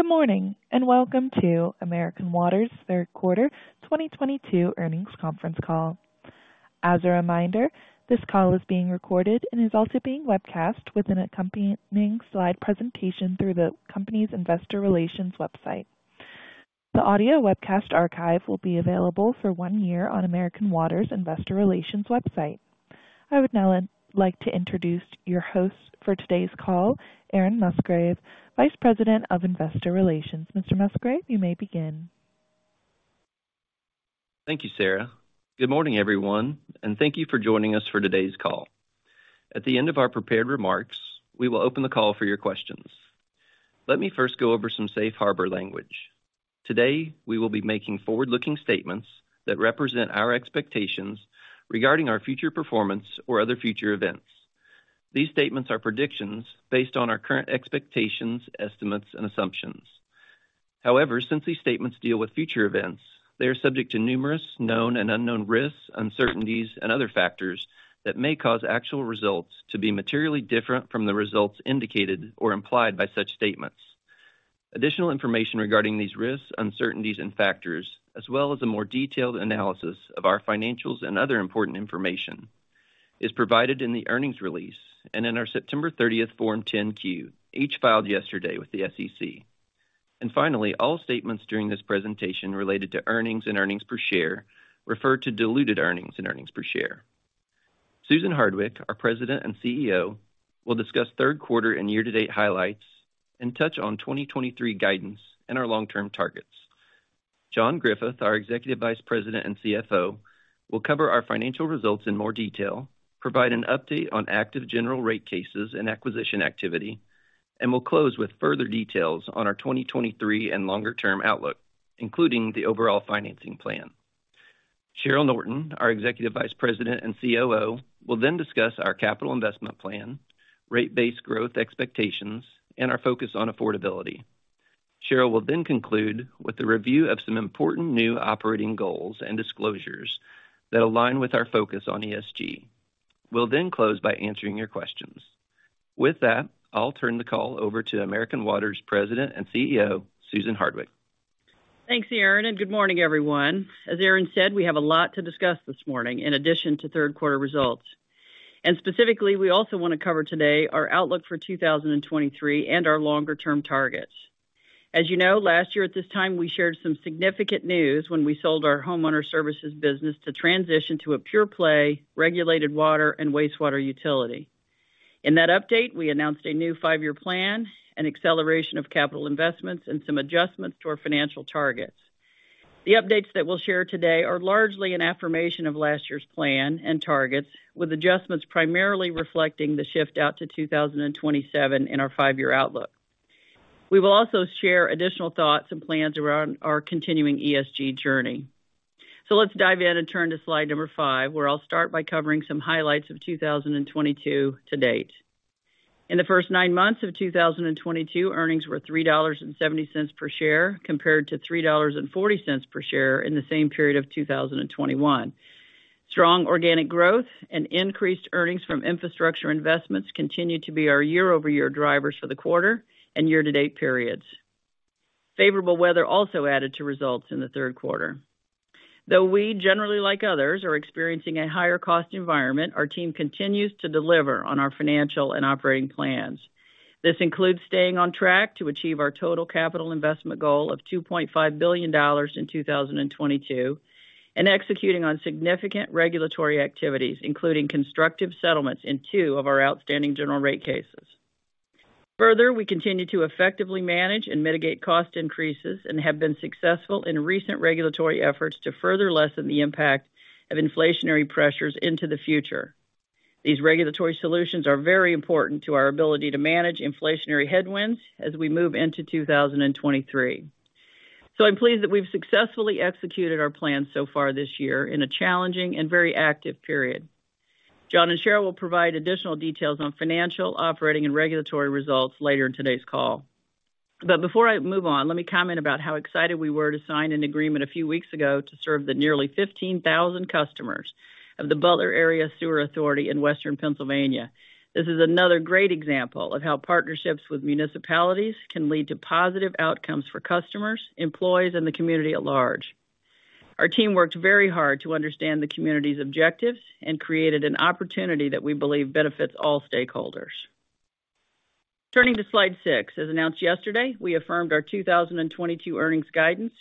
Good morning, and welcome to American Water's third quarter 2022 earnings conference call. As a reminder, this call is being recorded and is also being webcast with an accompanying slide presentation through the company's investor relations website. The audio webcast archive will be available for one year on American Water's investor relations website. I would now like to introduce your host for today's call, Aaron Musgrave, Vice President, Investor Relations. Mr. Musgrave, you may begin. Thank you, Sarah. Good morning, everyone, and thank you for joining us for today's call. At the end of our prepared remarks, we will open the call for your questions. Let me first go over some safe harbor language. Today, we will be making forward-looking statements that represent our expectations regarding our future performance or other future events. These statements are predictions based on our current expectations, estimates, and assumptions. However, since these statements deal with future events, they are subject to numerous known and unknown risks, uncertainties, and other factors that may cause actual results to be materially different from the results indicated or implied by such statements. Additional information regarding these risks, uncertainties and factors, as well as a more detailed analysis of our financials and other important information is provided in the earnings release and in our September thirtieth Form 10-Q, each filed yesterday with the SEC. Finally, all statements during this presentation related to earnings and earnings per share refer to diluted earnings and earnings per share. Susan Hardwick, our President and CEO, will discuss third quarter and year-to-date highlights and touch on 2023 guidance and our long-term targets. John Griffith, our Executive Vice President and CFO, will cover our financial results in more detail, provide an update on active general rate cases and acquisition activity, and will close with further details on our 2023 and longer-term outlook, including the overall financing plan. Cheryl Norton, our Executive Vice President and COO, will then discuss our capital investment plan, rate base growth expectations, and our focus on affordability. Cheryl will then conclude with a review of some important new operating goals and disclosures that align with our focus on ESG. We'll then close by answering your questions. With that, I'll turn the call over to American Water's President and CEO, Susan Hardwick. Thanks, Aaron, and good morning, everyone. As Aaron said, we have a lot to discuss this morning in addition to third quarter results. Specifically, we also want to cover today our outlook for 2023 and our longer-term targets. As you know, last year at this time, we shared some significant news when we sold our homeowner services business to transition to a pure play regulated water and wastewater utility. In that update, we announced a new five-year plan, an acceleration of capital investments, and some adjustments to our financial targets. The updates that we'll share today are largely an affirmation of last year's plan and targets, with adjustments primarily reflecting the shift out to 2027 in our five-year outlook. We will also share additional thoughts and plans around our continuing ESG journey. Let's dive in and turn to slide number five, where I'll start by covering some highlights of 2022 to date. In the first nine months of 2022, earnings were $3.70 per share, compared to $3.40 per share in the same period of 2021. Strong organic growth and increased earnings from infrastructure investments continue to be our year-over-year drivers for the quarter and year-to-date periods. Favorable weather also added to results in the third quarter. Though we generally, like others, are experiencing a higher cost environment, our team continues to deliver on our financial and operating plans. This includes staying on track to achieve our total capital investment goal of $2.5 billion in 2022 and executing on significant regulatory activities, including constructive settlements in two of our outstanding general rate cases. Further, we continue to effectively manage and mitigate cost increases and have been successful in recent regulatory efforts to further lessen the impact of inflationary pressures into the future. These regulatory solutions are very important to our ability to manage inflationary headwinds as we move into 2023. I'm pleased that we've successfully executed our plan so far this year in a challenging and very active period. John and Cheryl will provide additional details on financial, operating, and regulatory results later in today's call. Before I move on, let me comment about how excited we were to sign an agreement a few weeks ago to serve the nearly 15,000 customers of the Butler Area Sewer Authority in Western Pennsylvania. This is another great example of how partnerships with municipalities can lead to positive outcomes for customers, employees, and the community at large. Our team worked very hard to understand the community's objectives and created an opportunity that we believe benefits all stakeholders. Turning to slide six. As announced yesterday, we affirmed our 2022 earnings guidance.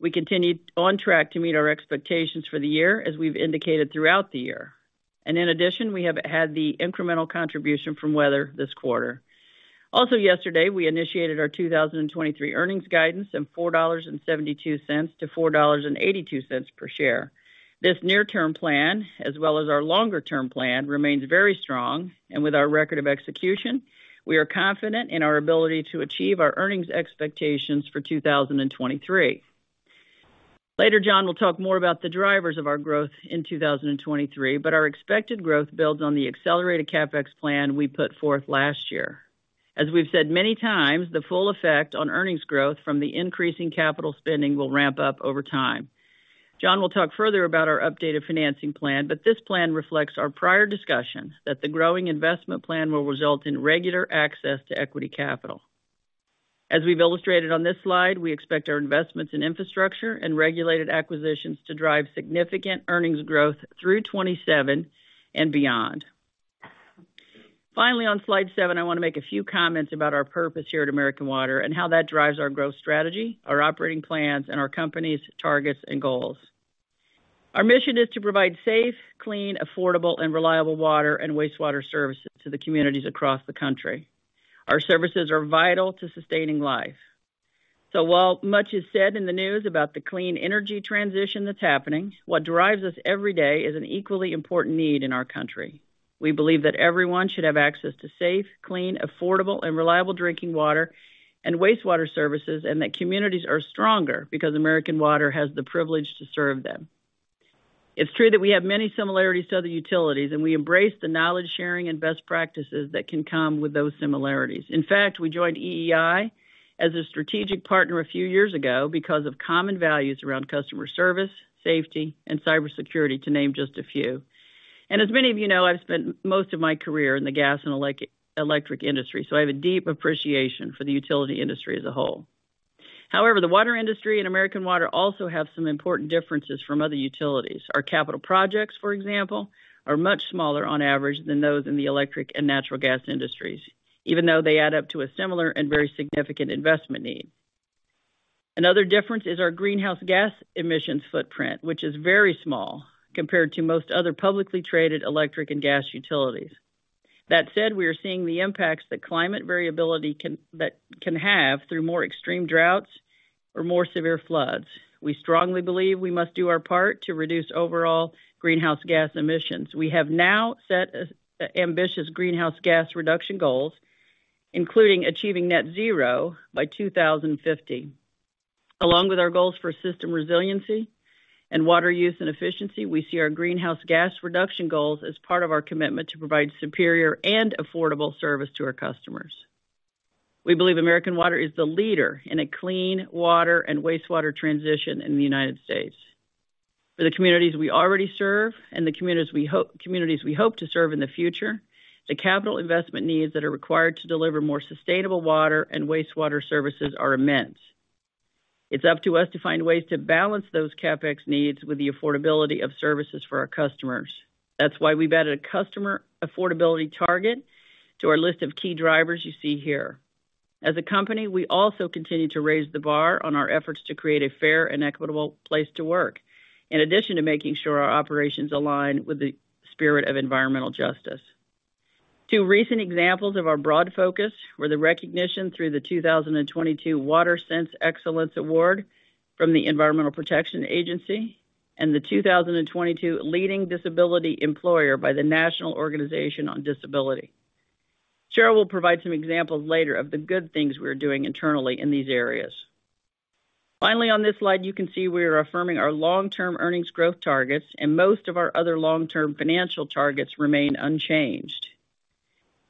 We continued on track to meet our expectations for the year as we've indicated throughout the year. In addition, we have had the incremental contribution from weather this quarter. Also yesterday, we initiated our 2023 earnings guidance of $4.72-$4.82 per share. This near-term plan, as well as our longer-term plan, remains very strong, and with our record of execution, we are confident in our ability to achieve our earnings expectations for 2023. Later, John will talk more about the drivers of our growth in 2023, but our expected growth builds on the accelerated CapEx plan we put forth last year. As we've said many times, the full effect on earnings growth from the increasing capital spending will ramp up over time. John will talk further about our updated financing plan, but this plan reflects our prior discussion that the growing investment plan will result in regular access to equity capital. As we've illustrated on this slide, we expect our investments in infrastructure and regulated acquisitions to drive significant earnings growth through 2027 and beyond. Finally, on slide seven, I wanna make a few comments about our purpose here at American Water and how that drives our growth strategy, our operating plans, and our company's targets and goals. Our mission is to provide safe, clean, affordable, and reliable water and wastewater services to the communities across the country. Our services are vital to sustaining life. While much is said in the news about the clean energy transition that's happening, what drives us every day is an equally important need in our country. We believe that everyone should have access to safe, clean, affordable, and reliable drinking water and wastewater services, and that communities are stronger because American Water has the privilege to serve them. It's true that we have many similarities to other utilities, and we embrace the knowledge sharing and best practices that can come with those similarities. In fact, we joined EEI as a strategic partner a few years ago because of common values around customer service, safety, and cybersecurity, to name just a few. As many of you know, I've spent most of my career in the gas and electric industry, so I have a deep appreciation for the utility industry as a whole. However, the water industry and American Water also have some important differences from other utilities. Our capital projects, for example, are much smaller on average than those in the electric and natural gas industries, even though they add up to a similar and very significant investment need. Another difference is our greenhouse gas emissions footprint, which is very small compared to most other publicly traded electric and gas utilities. That said, we are seeing the impacts that climate variability can have through more extreme droughts or more severe floods. We strongly believe we must do our part to reduce overall greenhouse gas emissions. We have now set ambitious greenhouse gas reduction goals, including achieving net zero by 2050. Along with our goals for system resiliency and water use and efficiency, we see our greenhouse gas reduction goals as part of our commitment to provide superior and affordable service to our customers. We believe American Water is the leader in a clean water and wastewater transition in the United States. For the communities we already serve and the communities we hope to serve in the future, the capital investment needs that are required to deliver more sustainable water and wastewater services are immense. It's up to us to find ways to balance those CapEx needs with the affordability of services for our customers. That's why we've added a customer affordability target to our list of key drivers you see here. As a company, we also continue to raise the bar on our efforts to create a fair and equitable place to work, in addition to making sure our operations align with the spirit of environmental justice. Two recent examples of our broad focus were the recognition through the 2022 WaterSense Excellence Award from the Environmental Protection Agency and the 2022 Leading Disability Employer by the National Organization on Disability. Cheryl will provide some examples later of the good things we're doing internally in these areas. Finally, on this slide, you can see we are affirming our long-term earnings growth targets, and most of our other long-term financial targets remain unchanged.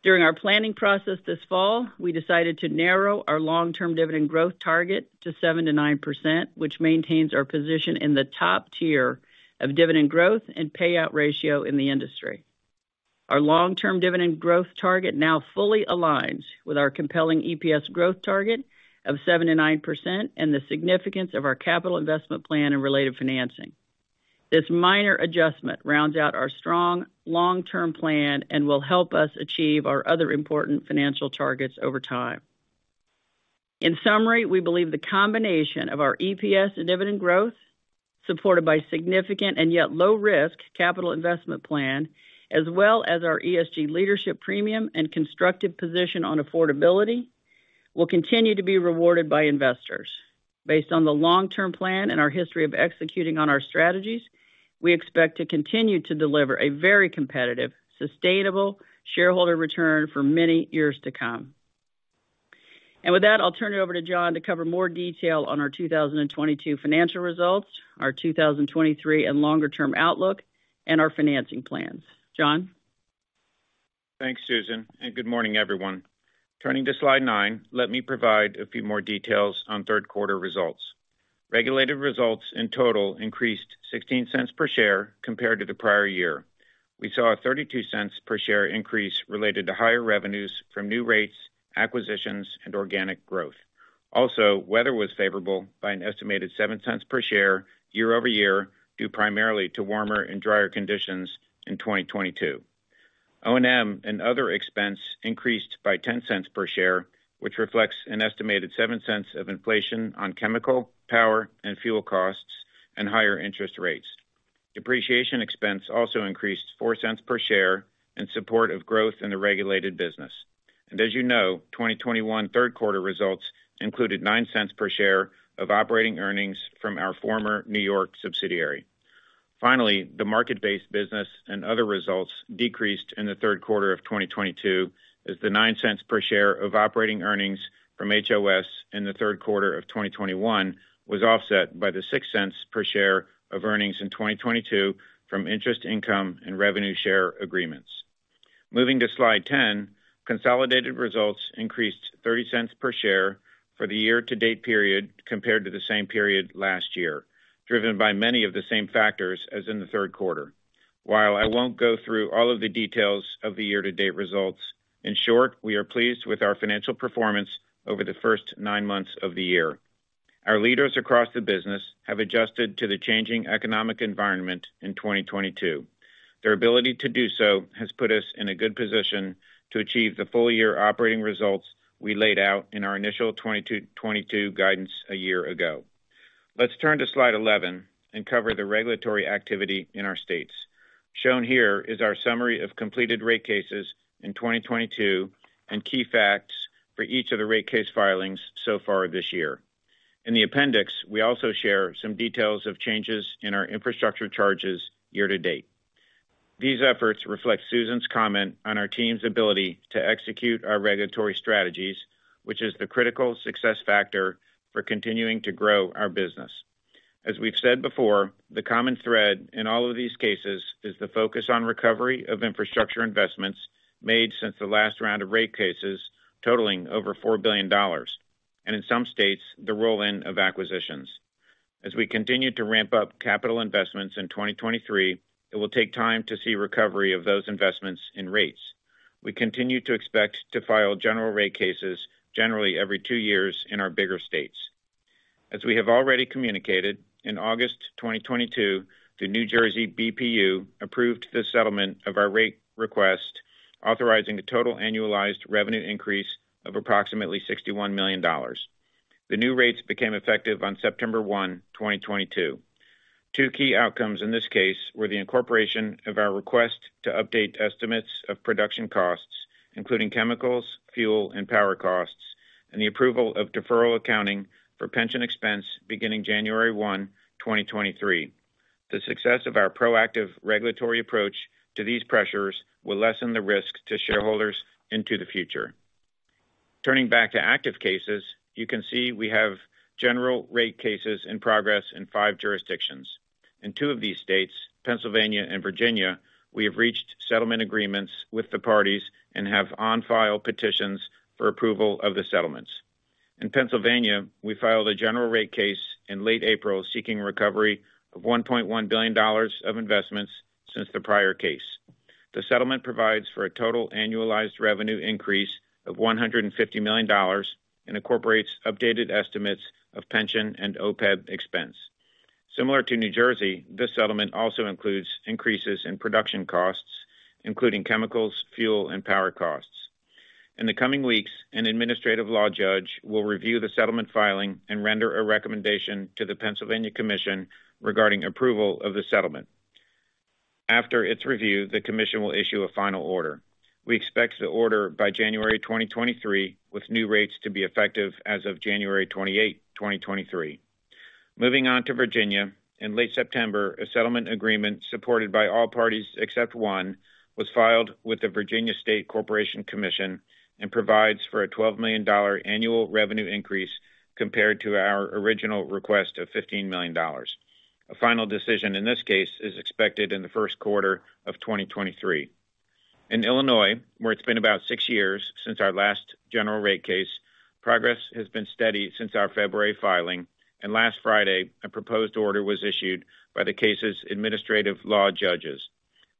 During our planning process this fall, we decided to narrow our long-term dividend growth target to 7%-9%, which maintains our position in the top tier of dividend growth and payout ratio in the industry. Our long-term dividend growth target now fully aligns with our compelling EPS growth target of 7%-9% and the significance of our capital investment plan and related financing. This minor adjustment rounds out our strong long-term plan and will help us achieve our other important financial targets over time. In summary, we believe the combination of our EPS and dividend growth, supported by significant and yet low risk capital investment plan, as well as our ESG leadership premium and constructive position on affordability, will continue to be rewarded by investors. Based on the long-term plan and our history of executing on our strategies, we expect to continue to deliver a very competitive, sustainable shareholder return for many years to come. With that, I'll turn it over to John to cover more detail on our 2022 financial results, our 2023 and longer-term outlook, and our financing plans. John? Thanks, Susan, and good morning, everyone. Turning to slide nine, let me provide a few more details on third quarter results. Regulated results in total increased $0.16 per share compared to the prior year. We saw a $0.32 per share increase related to higher revenues from new rates, acquisitions, and organic growth. Also, weather was favorable by an estimated $0.07 per share year-over-year, due primarily to warmer and drier conditions in 2022. O&M and other expense increased by $0.10 per share, which reflects an estimated $0.07 of inflation on chemical, power, and fuel costs and higher interest rates. Depreciation expense also increased $0.04 per share in support of growth in the regulated business. As you know, 2021 third quarter results included $0.09 per share of operating earnings from our former New York subsidiary. Finally, the market-based business and other results decreased in the third quarter of 2022 as the $0.09 per share of operating earnings from HOS in the third quarter of 2021 was offset by the $0.06 per share of earnings in 2022 from interest income and revenue share agreements. Moving to slide 10, consolidated results increased $0.30 per share for the year-to-date period compared to the same period last year, driven by many of the same factors as in the third quarter. While I won't go through all of the details of the year-to-date results, in short, we are pleased with our financial performance over the first 9 months of the year. Our leaders across the business have adjusted to the changing economic environment in 2022. Their ability to do so has put us in a good position to achieve the full year operating results we laid out in our initial 2022 guidance a year ago. Let's turn to slide 11 and cover the regulatory activity in our states. Shown here is our summary of completed rate cases in 2022 and key facts for each of the rate case filings so far this year. In the appendix, we also share some details of changes in our infrastructure charges year to date. These efforts reflect Susan's comment on our team's ability to execute our regulatory strategies, which is the critical success factor for continuing to grow our business. As we've said before, the common thread in all of these cases is the focus on recovery of infrastructure investments made since the last round of rate cases totaling over $4 billion, and in some states, the roll-in of acquisitions. As we continue to ramp up capital investments in 2023, it will take time to see recovery of those investments in rates. We continue to expect to file general rate cases generally every 2 years in our bigger states. As we have already communicated, in August 2022, the New Jersey BPU approved the settlement of our rate request, authorizing a total annualized revenue increase of approximately $61 million. The new rates became effective on September 1, 2022. Two key outcomes in this case were the incorporation of our request to update estimates of production costs, including chemicals, fuel, and power costs, and the approval of deferral accounting for pension expense beginning January 1, 2023. The success of our proactive regulatory approach to these pressures will lessen the risk to shareholders into the future. Turning back to active cases, you can see we have general rate cases in progress in five jurisdictions. In two of these states, Pennsylvania and Virginia, we have reached settlement agreements with the parties and have on-file petitions for approval of the settlements. In Pennsylvania, we filed a general rate case in late April seeking recovery of $1.1 billion of investments since the prior case. The settlement provides for a total annualized revenue increase of $150 million and incorporates updated estimates of pension and OPEB expense. Similar to New Jersey, this settlement also includes increases in production costs, including chemicals, fuel, and power costs. In the coming weeks, an administrative law judge will review the settlement filing and render a recommendation to the Pennsylvania Commission regarding approval of the settlement. After its review, the commission will issue a final order. We expect the order by January 2023, with new rates to be effective as of January 28, 2023. Moving on to Virginia. In late September, a settlement agreement supported by all parties except one was filed with the Virginia State Corporation Commission and provides for a $12 million annual revenue increase compared to our original request of $15 million. A final decision in this case is expected in the first quarter of 2023. In Illinois, where it's been about six years since our last general rate case, progress has been steady since our February filing. Last Friday, a proposed order was issued by the case's administrative law judges.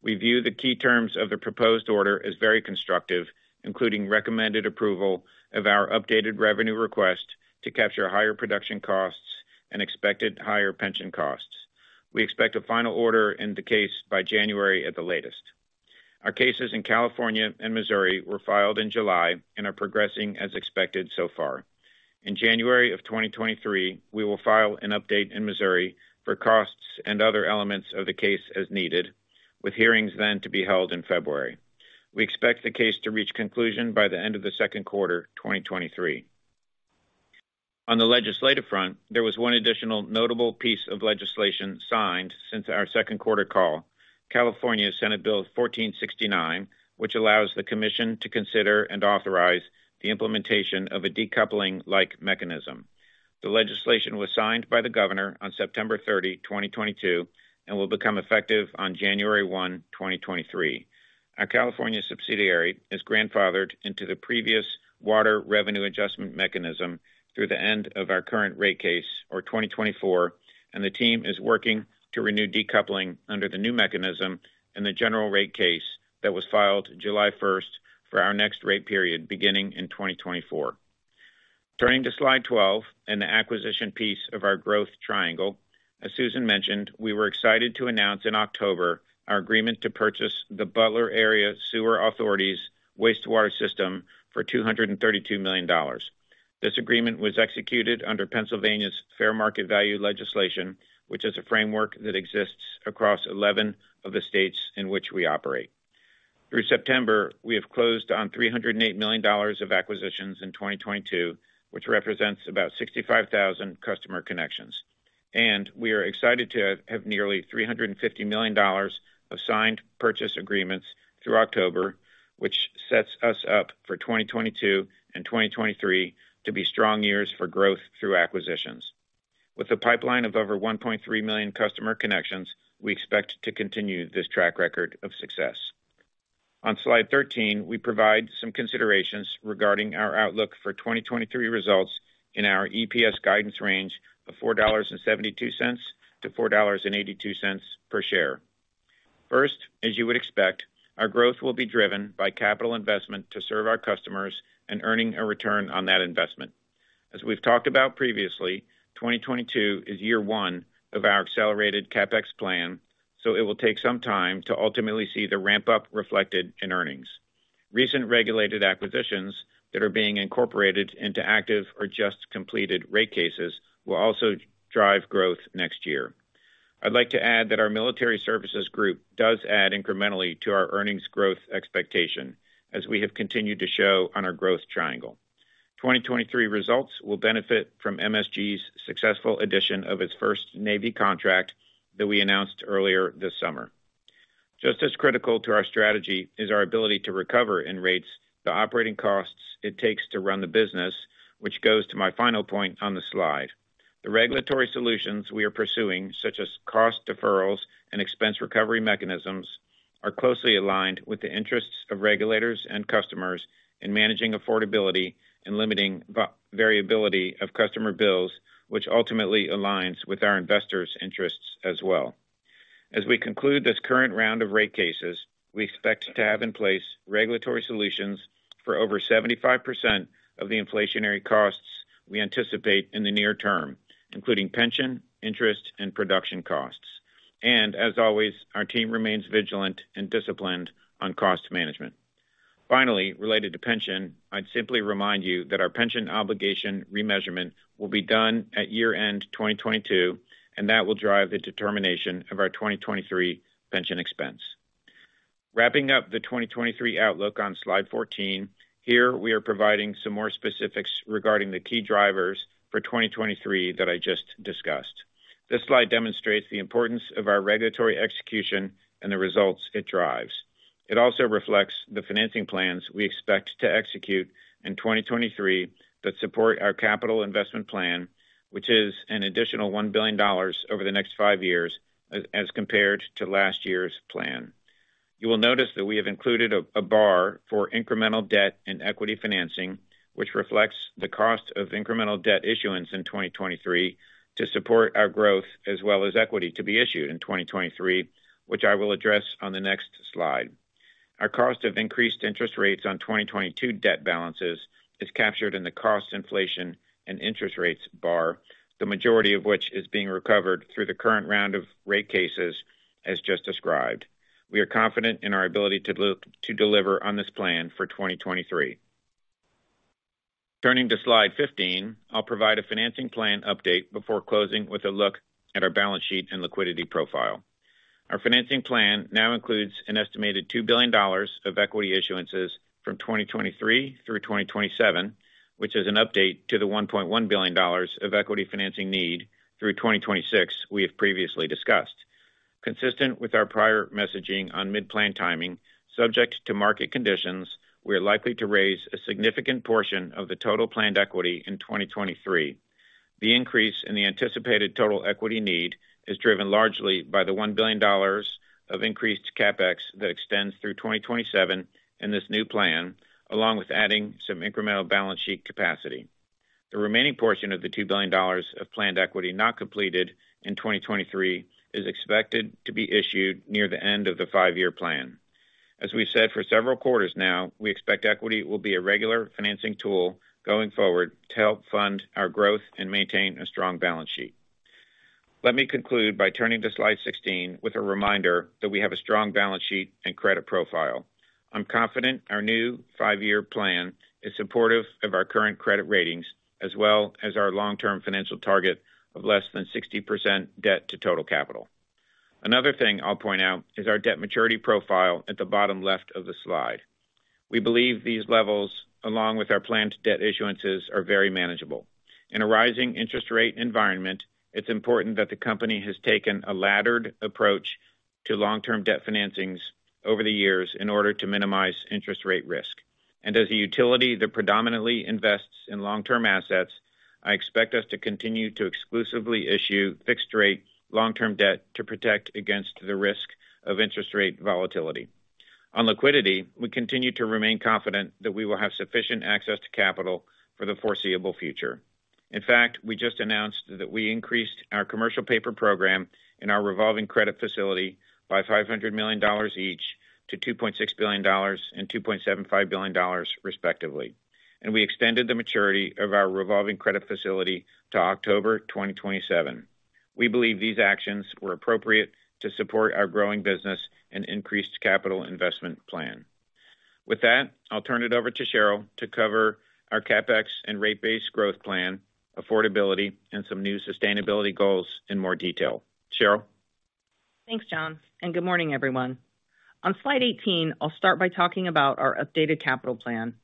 We view the key terms of the proposed order as very constructive, including recommended approval of our updated revenue request to capture higher production costs and expected higher pension costs. We expect a final order in the case by January at the latest. Our cases in California and Missouri were filed in July and are progressing as expected so far. In January of 2023, we will file an update in Missouri for costs and other elements of the case as needed, with hearings then to be held in February. We expect the case to reach conclusion by the end of the second quarter 2023. On the legislative front, there was one additional notable piece of legislation signed since our second quarter call. California Senate Bill 1469, which allows the commission to consider and authorize the implementation of a decoupling-like mechanism. The legislation was signed by the governor on September 30, 2022, and will become effective on January 1, 2023. Our California subsidiary is grandfathered into the previous water revenue adjustment mechanism through the end of our current rate case or 2024, and the team is working to renew decoupling under the new mechanism in the general rate case that was filed July 1 for our next rate period, beginning in 2024. Turning to slide 12 and the acquisition piece of our growth triangle. As Susan mentioned, we were excited to announce in October our agreement to purchase the Butler Area Sewer Authority's wastewater system for $232 million. This agreement was executed under Pennsylvania's fair market value legislation, which is a framework that exists across 11 of the states in which we operate. Through September, we have closed on $308 million of acquisitions in 2022, which represents about 65,000 customer connections. We are excited to have nearly $350 million of signed purchase agreements through October, which sets us up for 2022 and 2023 to be strong years for growth through acquisitions. With a pipeline of over 1.3 million customer connections, we expect to continue this track record of success. On slide 13, we provide some considerations regarding our outlook for 2023 results in our EPS guidance range of $4.72-$4.82 per share. First, as you would expect, our growth will be driven by capital investment to serve our customers and earning a return on that investment. As we've talked about previously, 2022 is year 1 of our accelerated CapEx plan, so it will take some time to ultimately see the ramp-up reflected in earnings. Recent regulated acquisitions that are being incorporated into active or just completed rate cases will also drive growth next year. I'd like to add that our military services group does add incrementally to our earnings growth expectation, as we have continued to show on our growth triangle. 2023 results will benefit from MSG's successful addition of its first Navy contract that we announced earlier this summer. Just as critical to our strategy is our ability to recover in rates the operating costs it takes to run the business, which goes to my final point on the slide. The regulatory solutions we are pursuing, such as cost deferrals and expense recovery mechanisms, are closely aligned with the interests of regulators and customers in managing affordability and limiting variability of customer bills, which ultimately aligns with our investors' interests as well. As we conclude this current round of rate cases, we expect to have in place regulatory solutions for over 75% of the inflationary costs we anticipate in the near term, including pension, interest, and production costs. As always, our team remains vigilant and disciplined on cost management. Finally, related to pension, I'd simply remind you that our pension obligation remeasurement will be done at year-end 2022, and that will drive the determination of our 2023 pension expense. Wrapping up the 2023 outlook on slide 14, here we are providing some more specifics regarding the key drivers for 2023 that I just discussed. This slide demonstrates the importance of our regulatory execution and the results it drives. It also reflects the financing plans we expect to execute in 2023 that support our capital investment plan, which is an additional $1 billion over the next five years as compared to last year's plan. You will notice that we have included a bar for incremental debt and equity financing, which reflects the cost of incremental debt issuance in 2023 to support our growth as well as equity to be issued in 2023, which I will address on the next slide. Our cost of increased interest rates on 2022 debt balances is captured in the cost inflation and interest rates bar, the majority of which is being recovered through the current round of rate cases, as just described. We are confident in our ability to deliver on this plan for 2023. Turning to slide 15, I'll provide a financing plan update before closing with a look at our balance sheet and liquidity profile. Our financing plan now includes an estimated $2 billion of equity issuances from 2023 through 2027, which is an update to the $1.1 billion of equity financing need through 2026 we have previously discussed. Consistent with our prior messaging on mid-plan timing, subject to market conditions, we are likely to raise a significant portion of the total planned equity in 2023. The increase in the anticipated total equity need is driven largely by the $1 billion of increased CapEx that extends through 2027 in this new plan, along with adding some incremental balance sheet capacity. The remaining portion of the $2 billion of planned equity not completed in 2023 is expected to be issued near the end of the five-year plan. As we've said for several quarters now, we expect equity will be a regular financing tool going forward to help fund our growth and maintain a strong balance sheet. Let me conclude by turning to slide 16 with a reminder that we have a strong balance sheet and credit profile. I'm confident our new 5-year plan is supportive of our current credit ratings as well as our long-term financial target of less than 60% debt to total capital. Another thing I'll point out is our debt maturity profile at the bottom left of the slide. We believe these levels, along with our planned debt issuances, are very manageable. In a rising interest rate environment, it's important that the company has taken a laddered approach to long-term debt financings over the years in order to minimize interest rate risk. As a utility that predominantly invests in long-term assets, I expect us to continue to exclusively issue fixed rate long-term debt to protect against the risk of interest rate volatility. On liquidity, we continue to remain confident that we will have sufficient access to capital for the foreseeable future. In fact, we just announced that we increased our commercial paper program and our revolving credit facility by $500 million each to $2.6 billion and $2.75 billion, respectively. We extended the maturity of our revolving credit facility to October 2027. We believe these actions were appropriate to support our growing business and increased capital investment plan. With that, I'll turn it over to Cheryl to cover our CapEx and rate base growth plan, affordability, and some new sustainability goals in more detail. Cheryl? Thanks, John, and good morning, everyone. On Slide 18, I'll start by talking about our updated capital plan.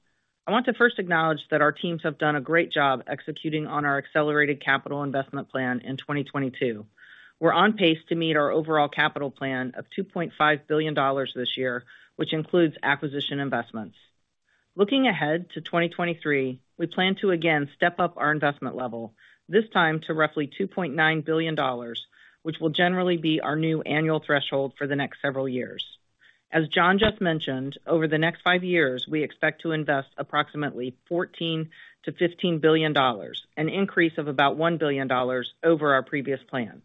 I want to first acknowledge that our teams have done a great job executing on our accelerated capital investment plan in 2022. We're on pace to meet our overall capital plan of $2.5 billion this year, which includes acquisition investments. Looking ahead to 2023, we plan to again step up our investment level, this time to roughly $2.9 billion, which will generally be our new annual threshold for the next several years. As John just mentioned, over the next five years, we expect to invest approximately $14 billion-$15 billion, an increase of about $1 billion over our previous plan.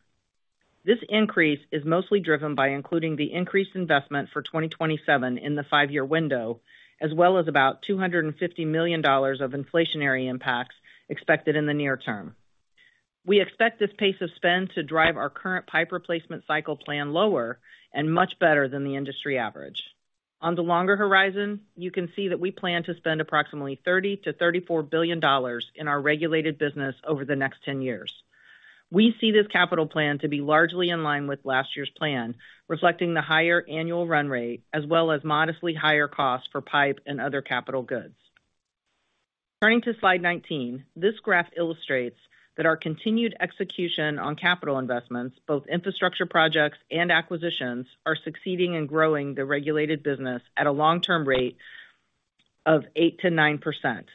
This increase is mostly driven by including the increased investment for 2027 in the 5-year window, as well as about $250 million of inflationary impacts expected in the near term. We expect this pace of spend to drive our current pipe replacement cycle plan lower and much better than the industry average. On the longer horizon, you can see that we plan to spend approximately $30 billion-$34 billion in our regulated business over the next 10 years. We see this capital plan to be largely in line with last year's plan, reflecting the higher annual run rate as well as modestly higher costs for pipe and other capital goods. Turning to slide 19. This graph illustrates that our continued execution on capital investments, both infrastructure projects and acquisitions, are succeeding in growing the regulated business at a long-term rate of 8%-9%.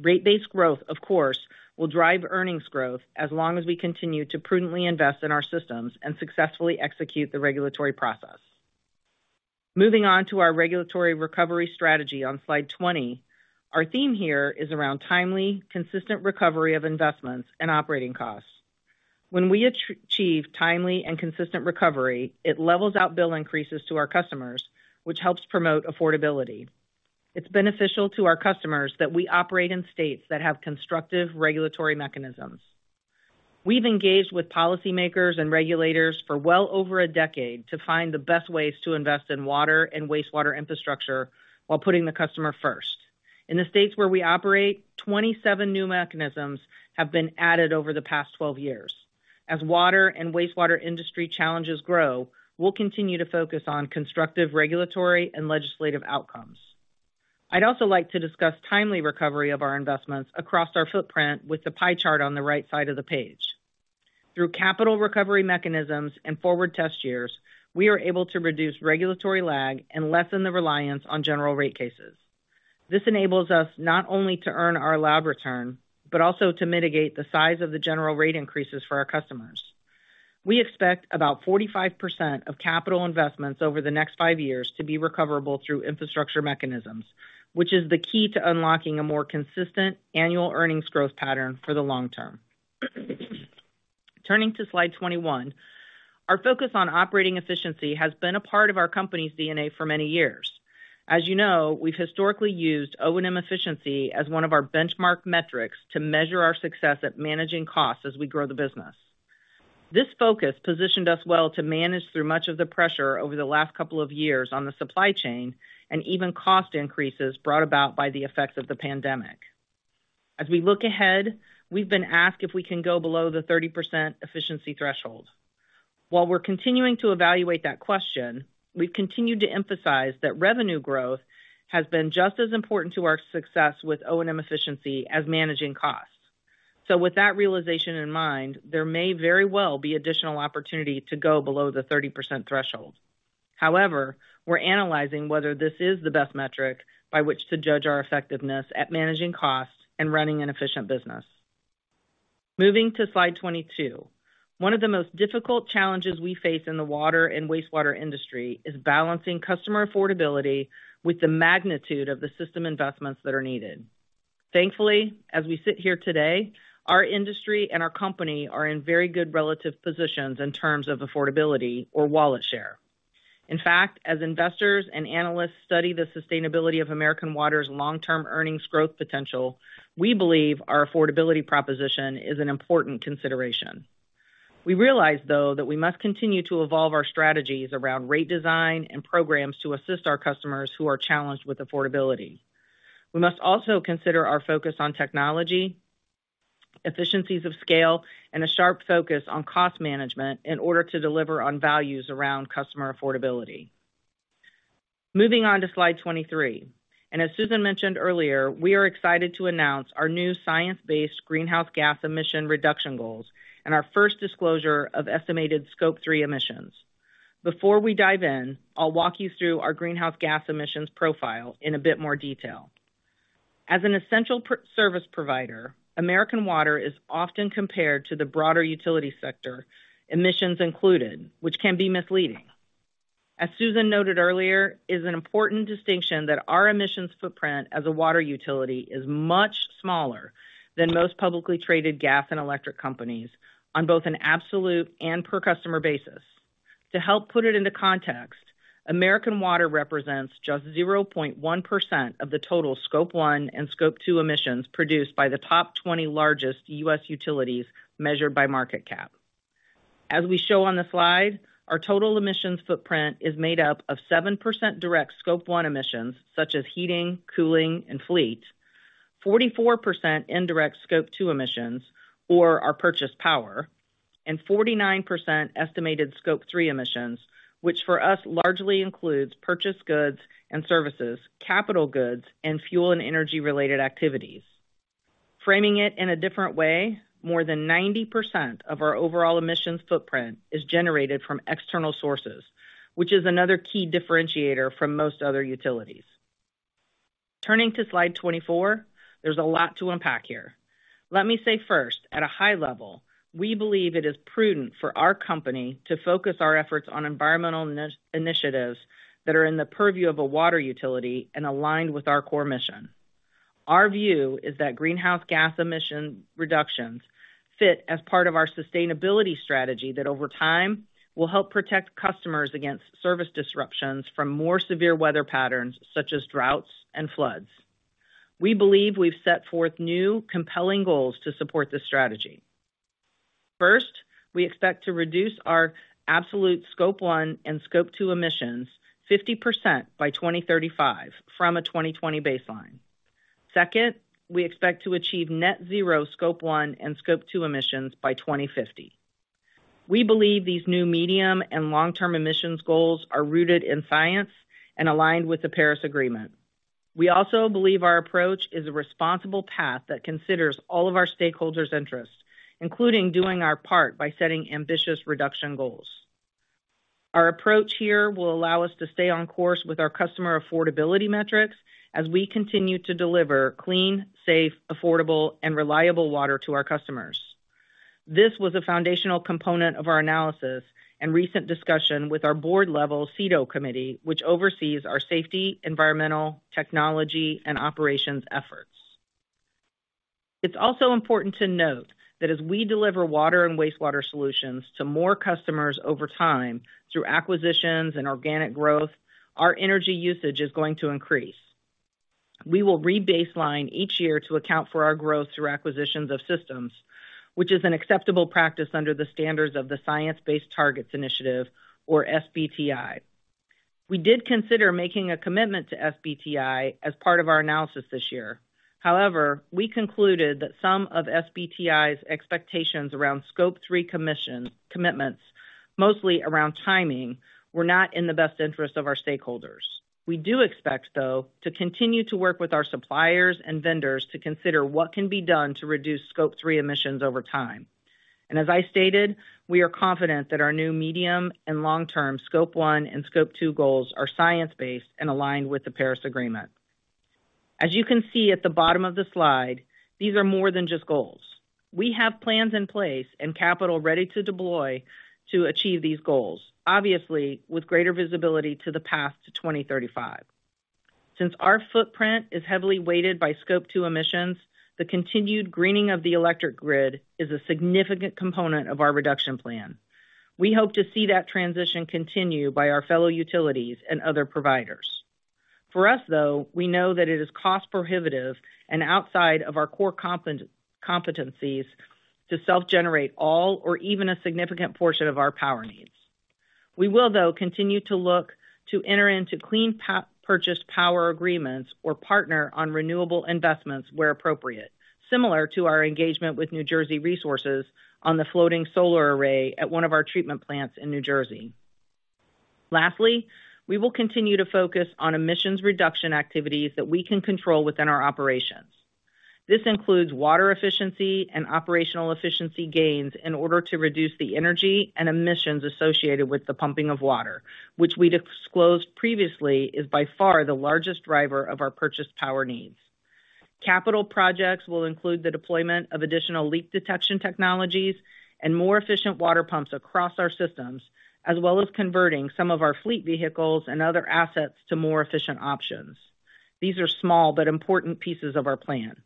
Rate-based growth, of course, will drive earnings growth as long as we continue to prudently invest in our systems and successfully execute the regulatory process. Moving on to our regulatory recovery strategy on slide 20. Our theme here is around timely, consistent recovery of investments and operating costs. When we achieve timely and consistent recovery, it levels out bill increases to our customers, which helps promote affordability. It's beneficial to our customers that we operate in states that have constructive regulatory mechanisms. We've engaged with policymakers and regulators for well over a decade to find the best ways to invest in water and wastewater infrastructure while putting the customer first. In the states where we operate, 27 new mechanisms have been added over the past 12 years. As water and wastewater industry challenges grow, we'll continue to focus on constructive regulatory and legislative outcomes. I'd also like to discuss timely recovery of our investments across our footprint with the pie chart on the right side of the page. Through capital recovery mechanisms and forward test years, we are able to reduce regulatory lag and lessen the reliance on general rate cases. This enables us not only to earn our authorized return, but also to mitigate the size of the general rate increases for our customers. We expect about 45% of capital investments over the next five years to be recoverable through infrastructure mechanisms, which is the key to unlocking a more consistent annual earnings growth pattern for the long term. Turning to slide 21. Our focus on operating efficiency has been a part of our company's DNA for many years. As you know, we've historically used O&M efficiency as one of our benchmark metrics to measure our success at managing costs as we grow the business. This focus positioned us well to manage through much of the pressure over the last couple of years on the supply chain and even cost increases brought about by the effects of the pandemic. As we look ahead, we've been asked if we can go below the 30% efficiency threshold. While we're continuing to evaluate that question, we've continued to emphasize that revenue growth has been just as important to our success with O&M efficiency as managing costs. With that realization in mind, there may very well be additional opportunity to go below the 30% threshold. However, we're analyzing whether this is the best metric by which to judge our effectiveness at managing costs and running an efficient business. Moving to slide 22. One of the most difficult challenges we face in the water and wastewater industry is balancing customer affordability with the magnitude of the system investments that are needed. Thankfully, as we sit here today, our industry and our company are in very good relative positions in terms of affordability or wallet share. In fact, as investors and analysts study the sustainability of American Water's long-term earnings growth potential, we believe our affordability proposition is an important consideration. We realize, though, that we must continue to evolve our strategies around rate design and programs to assist our customers who are challenged with affordability. We must also consider our focus on technology, economies of scale, and a sharp focus on cost management in order to deliver on values around customer affordability. Moving on to slide 23, as Susan mentioned earlier, we are excited to announce our new science-based greenhouse gas emission reduction goals and our first disclosure of estimated Scope three emissions. Before we dive in, I'll walk you through our greenhouse gas emissions profile in a bit more detail. As an essential service provider, American Water is often compared to the broader utility sector, emissions included, which can be misleading. As Susan noted earlier, it's an important distinction that our emissions footprint as a water utility is much smaller than most publicly traded gas and electric companies on both an absolute and per customer basis. To help put it into context, American Water represents just 0.1% of the total Scope one and Scope two emissions produced by the top 20 largest U.S. utilities measured by market cap. As we show on the slide, our total emissions footprint is made up of 7% direct Scope one emissions such as heating, cooling, and fleet, 44% indirect Scope two emissions, or our purchased power, and 49% estimated Scope three emissions, which for us largely includes purchased goods and services, capital goods, and fuel and energy-related activities. Framing it in a different way, more than 90% of our overall emissions footprint is generated from external sources, which is another key differentiator from most other utilities. Turning to slide 24, there's a lot to unpack here. Let me say first, at a high level, we believe it is prudent for our company to focus our efforts on environmental initiatives that are in the purview of a water utility and aligned with our core mission. Our view is that greenhouse gas emission reductions fit as part of our sustainability strategy that over time will help protect customers against service disruptions from more severe weather patterns such as droughts and floods. We believe we've set forth new compelling goals to support this strategy. First, we expect to reduce our absolute Scope one and Scope two emissions 50% by 2035 from a 2020 baseline. Second, we expect to achieve net zero Scope one and Scope two emissions by 2050. We believe these new medium- and long-term emissions goals are rooted in science and aligned with the Paris Agreement. We also believe our approach is a responsible path that considers all of our stakeholders' interests, including doing our part by setting ambitious reduction goals. Our approach here will allow us to stay on course with our customer affordability metrics as we continue to deliver clean, safe, affordable, and reliable water to our customers. This was a foundational component of our analysis and recent discussion with our board-level SETO committee, which oversees our safety, environmental, technology, and operations efforts. It's also important to note that as we deliver water and wastewater solutions to more customers over time through acquisitions and organic growth, our energy usage is going to increase. We will re-baseline each year to account for our growth through acquisitions of systems, which is an acceptable practice under the standards of the Science Based Targets Initiative or SBTI. We did consider making a commitment to SBTI as part of our analysis this year. However, we concluded that some of SBTI's expectations around Scope three commitments, mostly around timing, were not in the best interest of our stakeholders. We do expect, though, to continue to work with our suppliers and vendors to consider what can be done to reduce Scope three emissions over time. As I stated, we are confident that our new medium and long-term Scope one and Scope two goals are science-based and aligned with the Paris Agreement. As you can see at the bottom of the slide, these are more than just goals. We have plans in place and capital ready to deploy to achieve these goals, obviously, with greater visibility to the path to 2035. Since our footprint is heavily weighted by Scope two emissions, the continued greening of the electric grid is a significant component of our reduction plan. We hope to see that transition continue by our fellow utilities and other providers. For us, though, we know that it is cost prohibitive and outside of our core competencies to self-generate all or even a significant portion of our power needs. We will, though, continue to look to enter into clean purchased power agreements or partner on renewable investments where appropriate, similar to our engagement with New Jersey Resources on the floating solar array at one of our treatment plants in New Jersey. Lastly, we will continue to focus on emissions reduction activities that we can control within our operations. This includes water efficiency and operational efficiency gains in order to reduce the energy and emissions associated with the pumping of water, which we disclosed previously is by far the largest driver of our purchased power needs. Capital projects will include the deployment of additional leak detection technologies and more efficient water pumps across our systems, as well as converting some of our fleet vehicles and other assets to more efficient options. These are small but important pieces of our plan.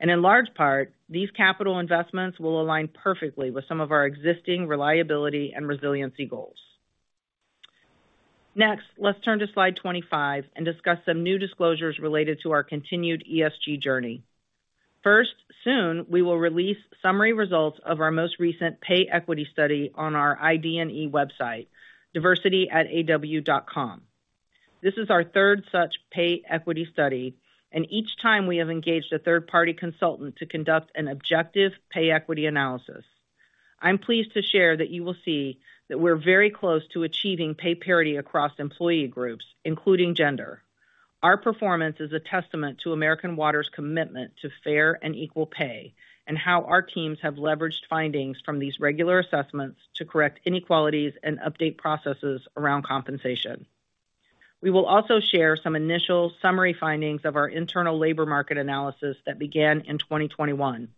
In large part, these capital investments will align perfectly with some of our existing reliability and resiliency goals. Next, let's turn to slide 25 and discuss some new disclosures related to our continued ESG journey. First, soon, we will release summary results of our most recent pay equity study on our ID&E website, DiversityatAW.com. This is our third such pay equity study, and each time we have engaged a third-party consultant to conduct an objective pay equity analysis. I'm pleased to share that you will see that we're very close to achieving pay parity across employee groups, including gender. Our performance is a testament to American Water's commitment to fair and equal pay, and how our teams have leveraged findings from these regular assessments to correct inequalities and update processes around compensation. We will also share some initial summary findings of our internal labor market analysis that began in 2021.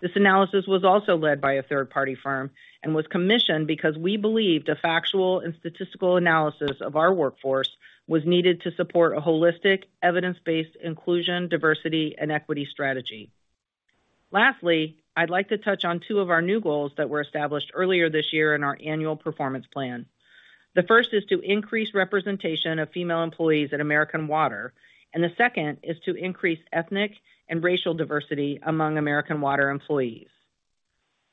This analysis was also led by a third-party firm and was commissioned because we believed a factual and statistical analysis of our workforce was needed to support a holistic, evidence-based inclusion, diversity, and equity strategy. Lastly, I'd like to touch on two of our new goals that were established earlier this year in our annual performance plan. The first is to increase representation of female employees at American Water, and the second is to increase ethnic and racial diversity among American Water employees.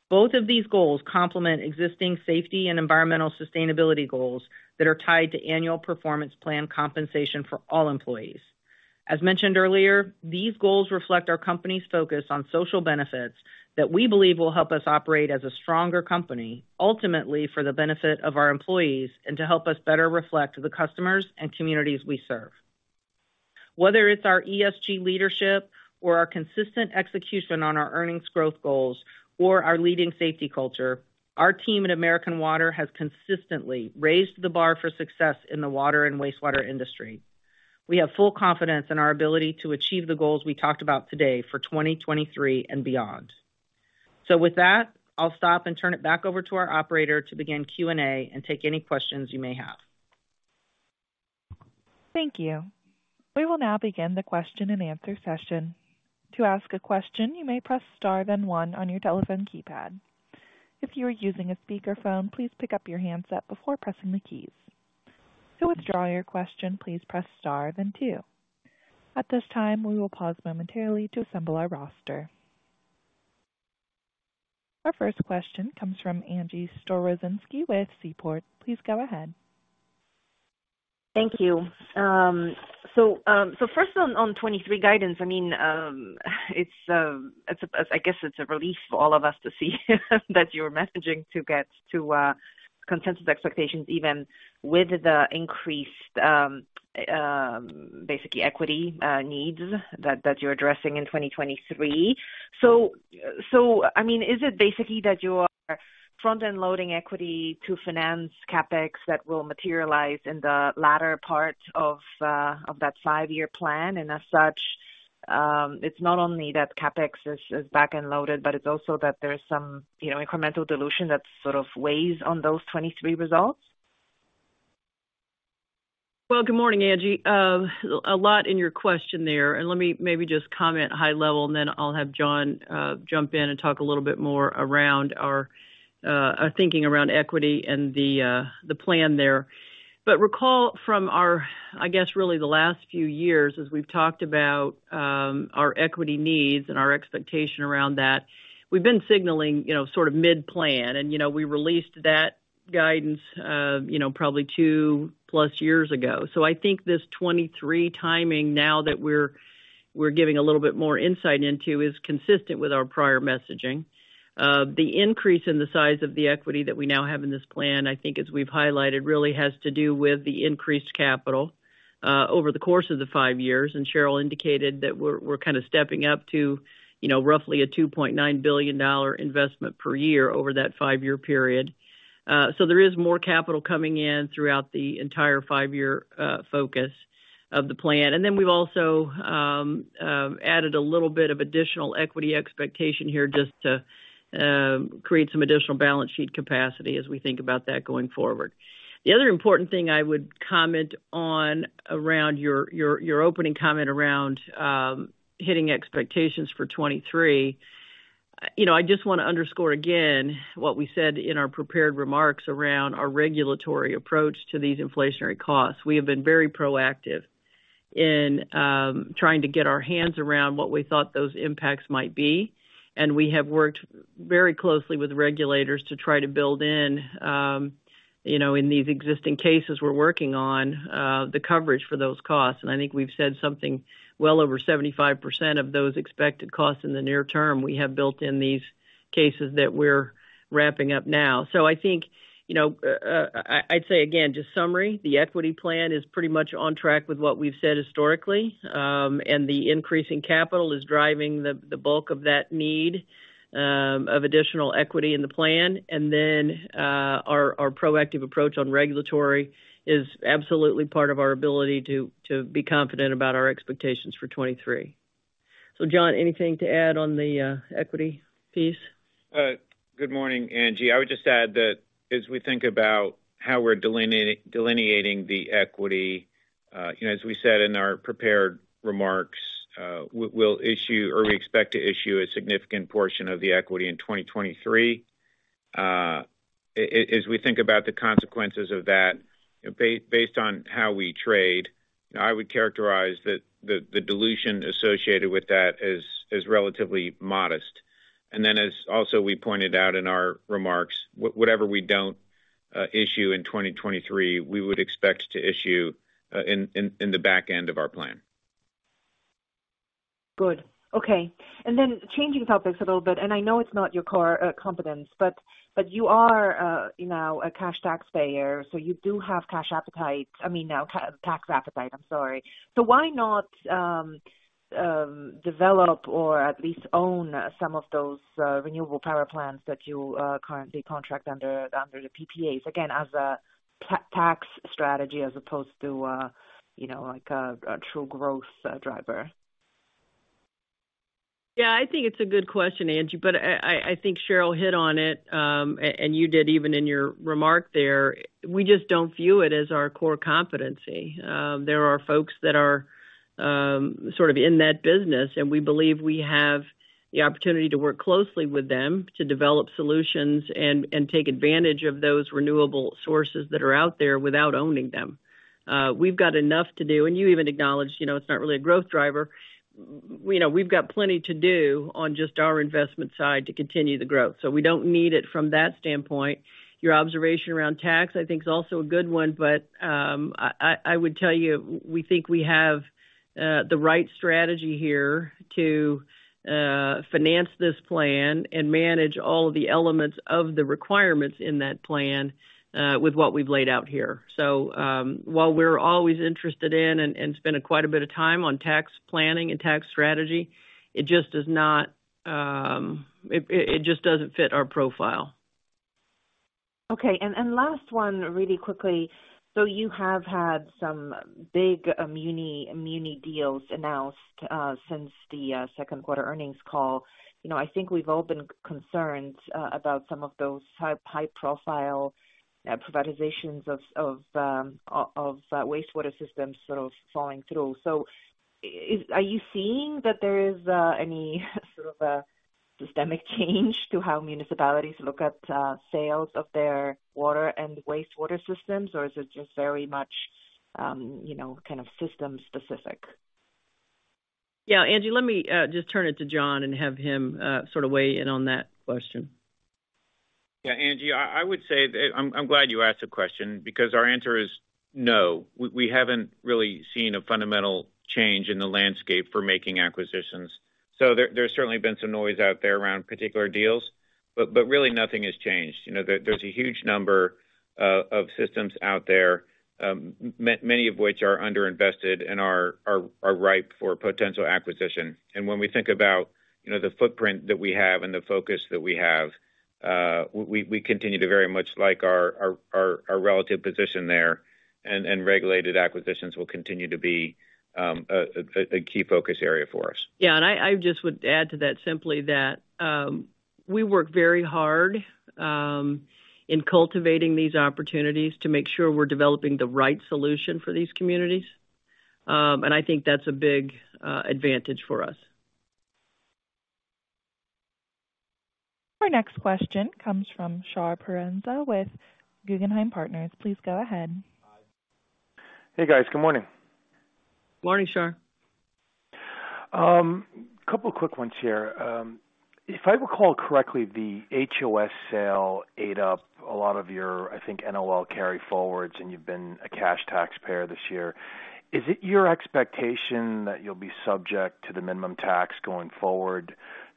Both of these goals complement existing safety and environmental sustainability goals that are tied to annual performance plan compensation for all employees. As mentioned earlier, these goals reflect our company's focus on social benefits that we believe will help us operate as a stronger company, ultimately for the benefit of our employees and to help us better reflect the customers and communities we serve. Whether it's our ESG leadership or our consistent execution on our earnings growth goals or our leading safety culture, our team at American Water has consistently raised the bar for success in the water and wastewater industry. We have full confidence in our ability to achieve the goals we talked about today for 2023 and beyond. With that, I'll stop and turn it back over to our operator to begin Q&A and take any questions you may have. Thank you. We will now begin the question-and-answer session. To ask a question, you may press Star then one on your telephone keypad. If you are using a speakerphone, please pick up your handset before pressing the keys. To withdraw your question, please press Star then two. At this time, we will pause momentarily to assemble our roster. Our first question comes from Angie Storozynski with Seaport. Please go ahead. Thank you. So first on 2023 guidance, I mean, it's a relief for all of us to see that you're messaging to get to consensus expectations even with the increased basically equity needs that you're addressing in 2023. I mean, is it basically that you are front-end loading equity to finance CapEx that will materialize in the latter part of that five-year plan? As such, it's not only that CapEx is back-end loaded, but it's also that there is some, you know, incremental dilution that sort of weighs on those 2023 results. Well, good morning, Angie. A lot in your question there, and let me maybe just comment high level, and then I'll have John jump in and talk a little bit more around our thinking around equity and the plan there. Recall from our, I guess, really the last few years as we've talked about, our equity needs and our expectation around that, we've been signaling, you know, sort of mid-plan. You know, we released that guidance, you know, probably two plus years ago. I think this 2023 timing now that we're giving a little bit more insight into is consistent with our prior messaging. The increase in the size of the equity that we now have in this plan, I think, as we've highlighted, really has to do with the increased capital over the course of the five years. Cheryl indicated that we're kind of stepping up to, you know, roughly a $2.9 billion investment per year over that five-year period. There is more capital coming in throughout the entire five-year focus of the plan. We've also added a little bit of additional equity expectation here just to create some additional balance sheet capacity as we think about that going forward. The other important thing I would comment on around your opening comment around hitting expectations for 2023, you know, I just want to underscore again what we said in our prepared remarks around our regulatory approach to these inflationary costs. We have been very proactive in trying to get our hands around what we thought those impacts might be, and we have worked very closely with regulators to try to build in, you know, in these existing cases we're working on, the coverage for those costs. I think we've said something well over 75% of those expected costs in the near term, we have built in these cases that we're wrapping up now. I think, you know, I'd say again, in summary, the equity plan is pretty much on track with what we've said historically. The increase in capital is driving the bulk of that need of additional equity in the plan. Our proactive approach on regulatory is absolutely part of our ability to be confident about our expectations for 2023. John, anything to add on the equity piece? Good morning, Angie. I would just add that as we think about how we're delineating the equity, you know, as we said in our prepared remarks, we'll issue or we expect to issue a significant portion of the equity in 2023. As we think about the consequences of that, based on how we trade, I would characterize that the dilution associated with that is relatively modest. As we also pointed out in our remarks, whatever we don't issue in 2023, we would expect to issue in the back end of our plan. Good. Okay. Then changing topics a little bit, and I know it's not your core competence, but you are, you know, a cash taxpayer, so you do have cash appetite. I mean, now tax appetite, I'm sorry. So why not develop or at least own some of those renewable power plants that you currently contract under the PPAs? Again, as a tax strategy as opposed to, you know, like a true growth driver. Yeah, I think it's a good question, Angie, but I think Cheryl hit on it, and you did even in your remark there. We just don't view it as our core competency. There are folks that are sort of in that business, and we believe we have the opportunity to work closely with them to develop solutions and take advantage of those renewable sources that are out there without owning them. We've got enough to do, and you even acknowledged, you know, it's not really a growth driver. You know, we've got plenty to do on just our investment side to continue the growth. We don't need it from that standpoint. Your observation around tax I think is also a good one, but I would tell you we think we have the right strategy here to finance this plan and manage all of the elements of the requirements in that plan with what we've laid out here. While we're always interested in and spend quite a bit of time on tax planning and tax strategy, it just is not, it just doesn't fit our profile. Okay. Last one really quickly. You have had some big muni deals announced since the second quarter earnings call. You know, I think we've all been concerned about some of those high profile privatizations of wastewater systems sort of falling through. Are you seeing that there is any sort of a systemic change to how municipalities look at sales of their water and wastewater systems? Or is it just very much, you know, kind of system specific? Yeah, Angie, let me just turn it to John and have him sort of weigh in on that question. Yeah, Angie, I would say that I'm glad you asked the question because our answer is no. We haven't really seen a fundamental change in the landscape for making acquisitions. There's certainly been some noise out there around particular deals, but really nothing has changed. You know, there's a huge number of systems out there, many of which are underinvested and are ripe for potential acquisition. When we think about, you know, the footprint that we have and the focus that we have, we continue to very much like our relative position there, and regulated acquisitions will continue to be a key focus area for us. Yeah. I just would add to that simply that, we work very hard in cultivating these opportunities to make sure we're developing the right solution for these communities. I think that's a big advantage for us. Our next question comes from Shar Pourreza with Guggenheim Partners. Please go ahead. Hey, guys. Good morning. Morning, Shar. Couple quick ones here. If I recall correctly, the HOS sale ate up a lot of your, I think, NOL carryforwards, and you've been a cash taxpayer this year. Is it your expectation that you'll be subject to the minimum tax going forward?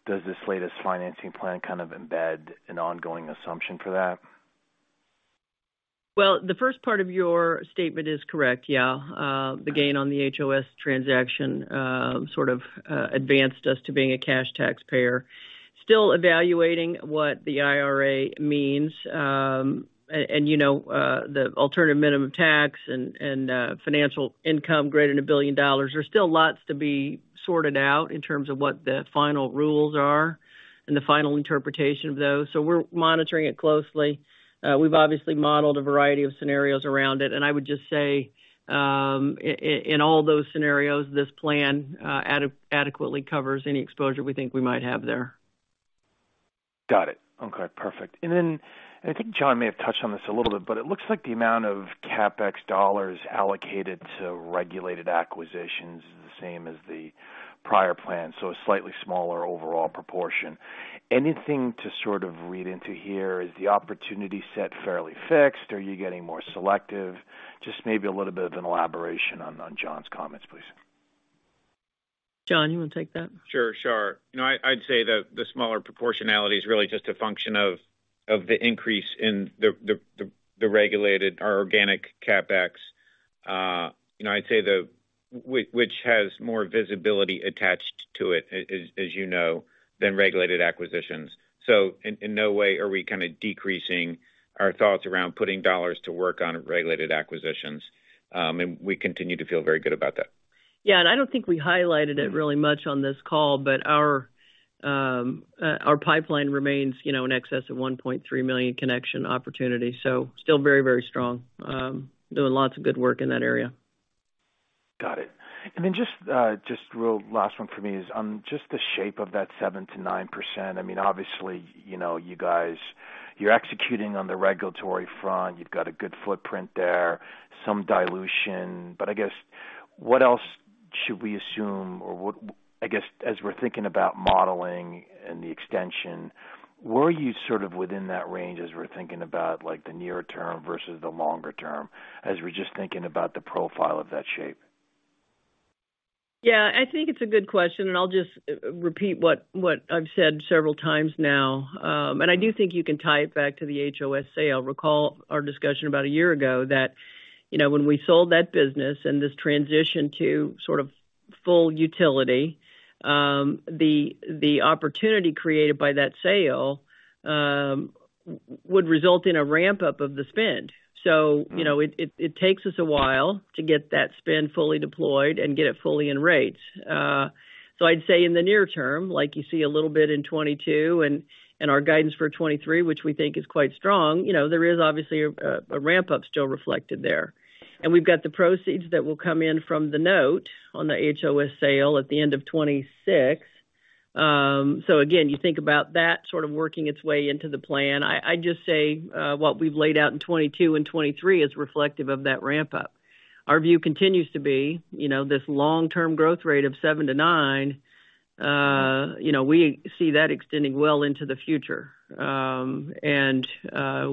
Does this latest financing plan kind of embed an ongoing assumption for that? Well, the first part of your statement is correct, yeah. The gain on the HOS transaction sort of advanced us to being a cash taxpayer. Still evaluating what the IRA means. You know, the alternative minimum tax and financial income greater than $1 billion. There's still lots to be sorted out in terms of what the final rules are and the final interpretation of those, so we're monitoring it closely. We've obviously modeled a variety of scenarios around it, and I would just say, in all those scenarios, this plan adequately covers any exposure we think we might have there. Got it. Okay. Perfect. I think John may have touched on this a little bit, but it looks like the amount of CapEx dollars allocated to regulated acquisitions is the same as the prior plan, so a slightly smaller overall proportion. Anything to sort of read into here? Is the opportunity set fairly fixed? Are you getting more selective? Just maybe a little bit of an elaboration on John's comments, please. John, you wanna take that? Sure, Shar. You know, I'd say that the smaller proportionality is really just a function of the increase in the regulated, our organic CapEx. Which has more visibility attached to it, as you know, than regulated acquisitions. In no way are we kinda decreasing our thoughts around putting dollars to work on regulated acquisitions. We continue to feel very good about that. Yeah. I don't think we highlighted it really much on this call, but our pipeline remains, you know, in excess of 1.3 million connection opportunities. Still very, very strong. Doing lots of good work in that area. Got it. Just real last one for me is on just the shape of that 7%-9%. I mean, obviously, you know, you guys, you're executing on the regulatory front. You've got a good footprint there, some dilution. I guess what else should we assume or what. I guess, as we're thinking about modeling and the extension, were you sort of within that range as we're thinking about, like, the near term versus the longer term as we're just thinking about the profile of that shape? Yeah. I think it's a good question, and I'll just repeat what I've said several times now. I do think you can tie it back to the HOS sale. Recall our discussion about a year ago that, you know, when we sold that business and this transition to sort of full utility, the opportunity created by that sale would result in a ramp-up of the spend. You know, it takes us a while to get that spend fully deployed and get it fully in rates. I'd say in the near term, like you see a little bit in 2022 and our guidance for 2023, which we think is quite strong, you know, there is obviously a ramp-up still reflected there. We've got the proceeds that will come in from the note on the HOS sale at the end of 2026. So again, you think about that sort of working its way into the plan. I just say what we've laid out in 2022 and 2023 is reflective of that ramp-up. Our view continues to be, you know, this long-term growth rate of 7%-9%, you know, we see that extending well into the future. We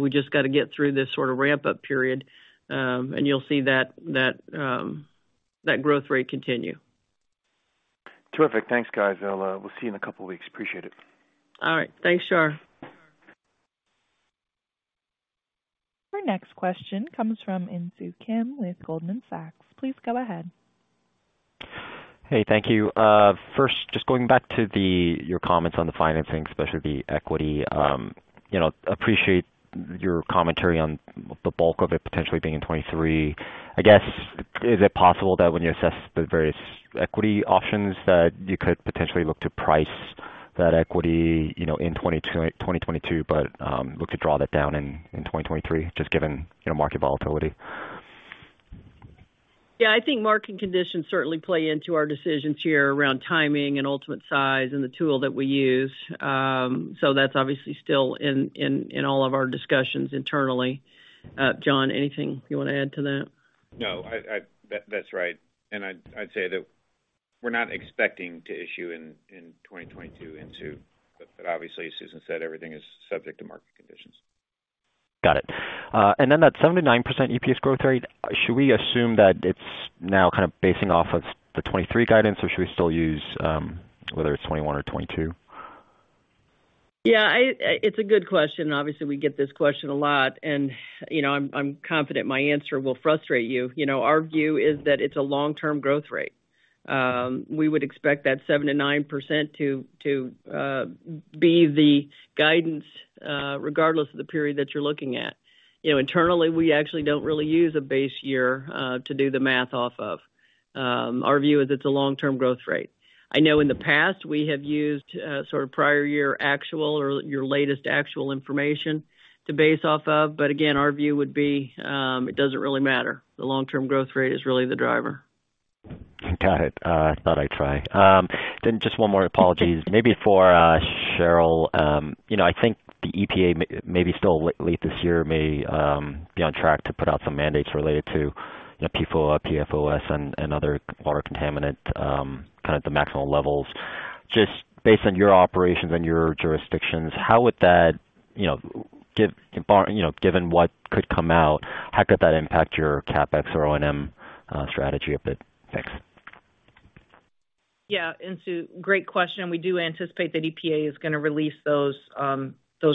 just gotta get through this sort of ramp-up period, and you'll see that growth rate continue. Terrific. Thanks, guys. I'll, we'll see you in a couple weeks. Appreciate it. All right. Thanks, Shar. Our next question comes from Insoo Kim with Goldman Sachs. Please go ahead. Hey, thank you. First, just going back to your comments on the financing, especially the equity. You know, appreciate your commentary on the bulk of it potentially being in 2023. I guess, is it possible that when you assess the various equity options that you could potentially look to price that equity, you know, in 2022, but look to draw that down in 2023, just given, you know, market volatility? Yeah, I think market conditions certainly play into our decisions here around timing and ultimate size and the tool that we use. That's obviously still in all of our discussions internally. John, anything you want to add to that? No, that's right. I'd say that we're not expecting to issue in 2022. Obviously, Susan said everything is subject to market conditions. Got it. That 7%-9% EPS growth rate, should we assume that it's now kind of basing off of the 2023 guidance, or should we still use whether it's 2021 or 2022? Yeah, it's a good question. Obviously, we get this question a lot, and, you know, I'm confident my answer will frustrate you. You know, our view is that it's a long-term growth rate. We would expect that 7%-9% to be the guidance, regardless of the period that you're looking at. You know, internally, we actually don't really use a base year to do the math off of. Our view is it's a long-term growth rate. I know in the past, we have used sort of prior year actual or your latest actual information to base off of, but again, our view would be it doesn't really matter. The long-term growth rate is really the driver. Got it. I thought I'd try. Just one more, apologies. Maybe for Cheryl. You know, I think the EPA maybe still late this year may be on track to put out some mandates related to, you know, PFOA, PFOS and other water contaminant kind of the maximum levels. Just based on your operations and your jurisdictions, how would that, you know, given what could come out, how could that impact your CapEx or O&M strategy a bit? Thanks. Yeah, Insoo, great question. We do anticipate that EPA is gonna release those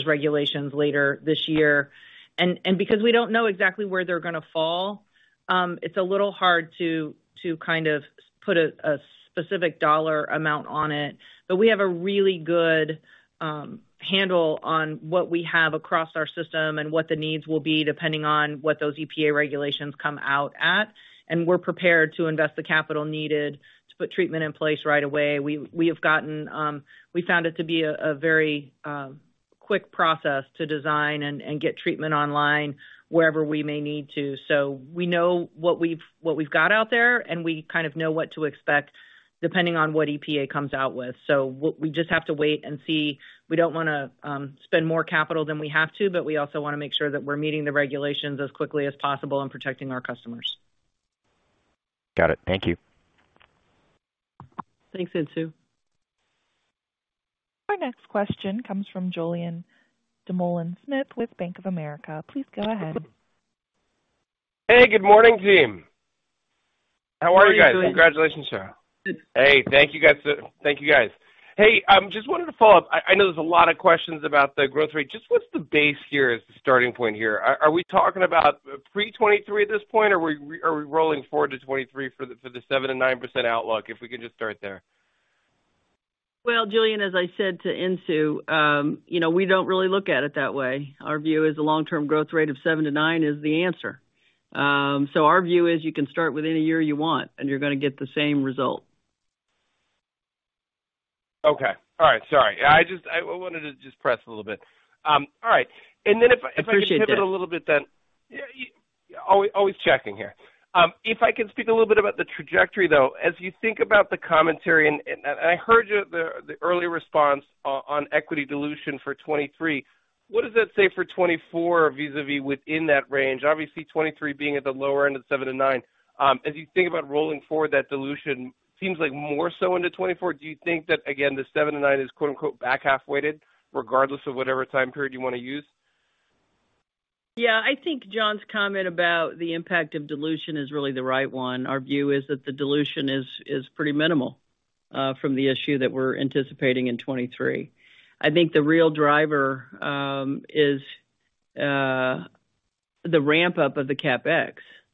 regulations later this year. Because we don't know exactly where they're gonna fall, it's a little hard to kind of put a specific dollar amount on it. We have a really good handle on what we have across our system and what the needs will be, depending on what those EPA regulations come out at. We're prepared to invest the capital needed to put treatment in place right away. We have gotten. We found it to be a very quick process to design and get treatment online wherever we may need to. We know what we've got out there, and we kind of know what to expect depending on what EPA comes out with. We just have to wait and see. We don't wanna spend more capital than we have to, but we also wanna make sure that we're meeting the regulations as quickly as possible and protecting our customers. Got it. Thank you. Thanks, Insoo. Our next question comes from Julien Dumoulin-Smith with Bank of America. Please go ahead. Hey, good morning, team. How are you guys? How are you doing? Congratulations, Cheryl. Hey, thank you, guys. Thank you, guys. Hey, just wanted to follow up. I know there's a lot of questions about the growth rate. Just what's the base here as the starting point here? Are we talking about pre-2023 at this point, or are we rolling forward to 2023 for the 7%-9% outlook, if we can just start there? Well, Julien, as I said to Insoo, you know, we don't really look at it that way. Our view is a long-term growth rate of 7%-9% is the answer. Our view is you can start with any year you want, and you're gonna get the same result. Okay. All right. Sorry. I wanted to just press a little bit. All right. If I can pivot. Appreciate that. A little bit then. Yeah, always checking here. If I can speak a little bit about the trajectory, though. As you think about the commentary, and I heard the early response on equity dilution for 2023. What does that say for 2024 vis-à-vis within that range? Obviously, 2023 being at the lower end of 7-9. As you think about rolling forward, that dilution seems like more so into 2024. Do you think that, again, the seven to 9 is quote-unquote "back half weighted" regardless of whatever time period you wanna use? Yeah. I think John's comment about the impact of dilution is really the right one. Our view is that the dilution is pretty minimal from the issue that we're anticipating in 2023. I think the real driver is the ramp-up of the CapEx.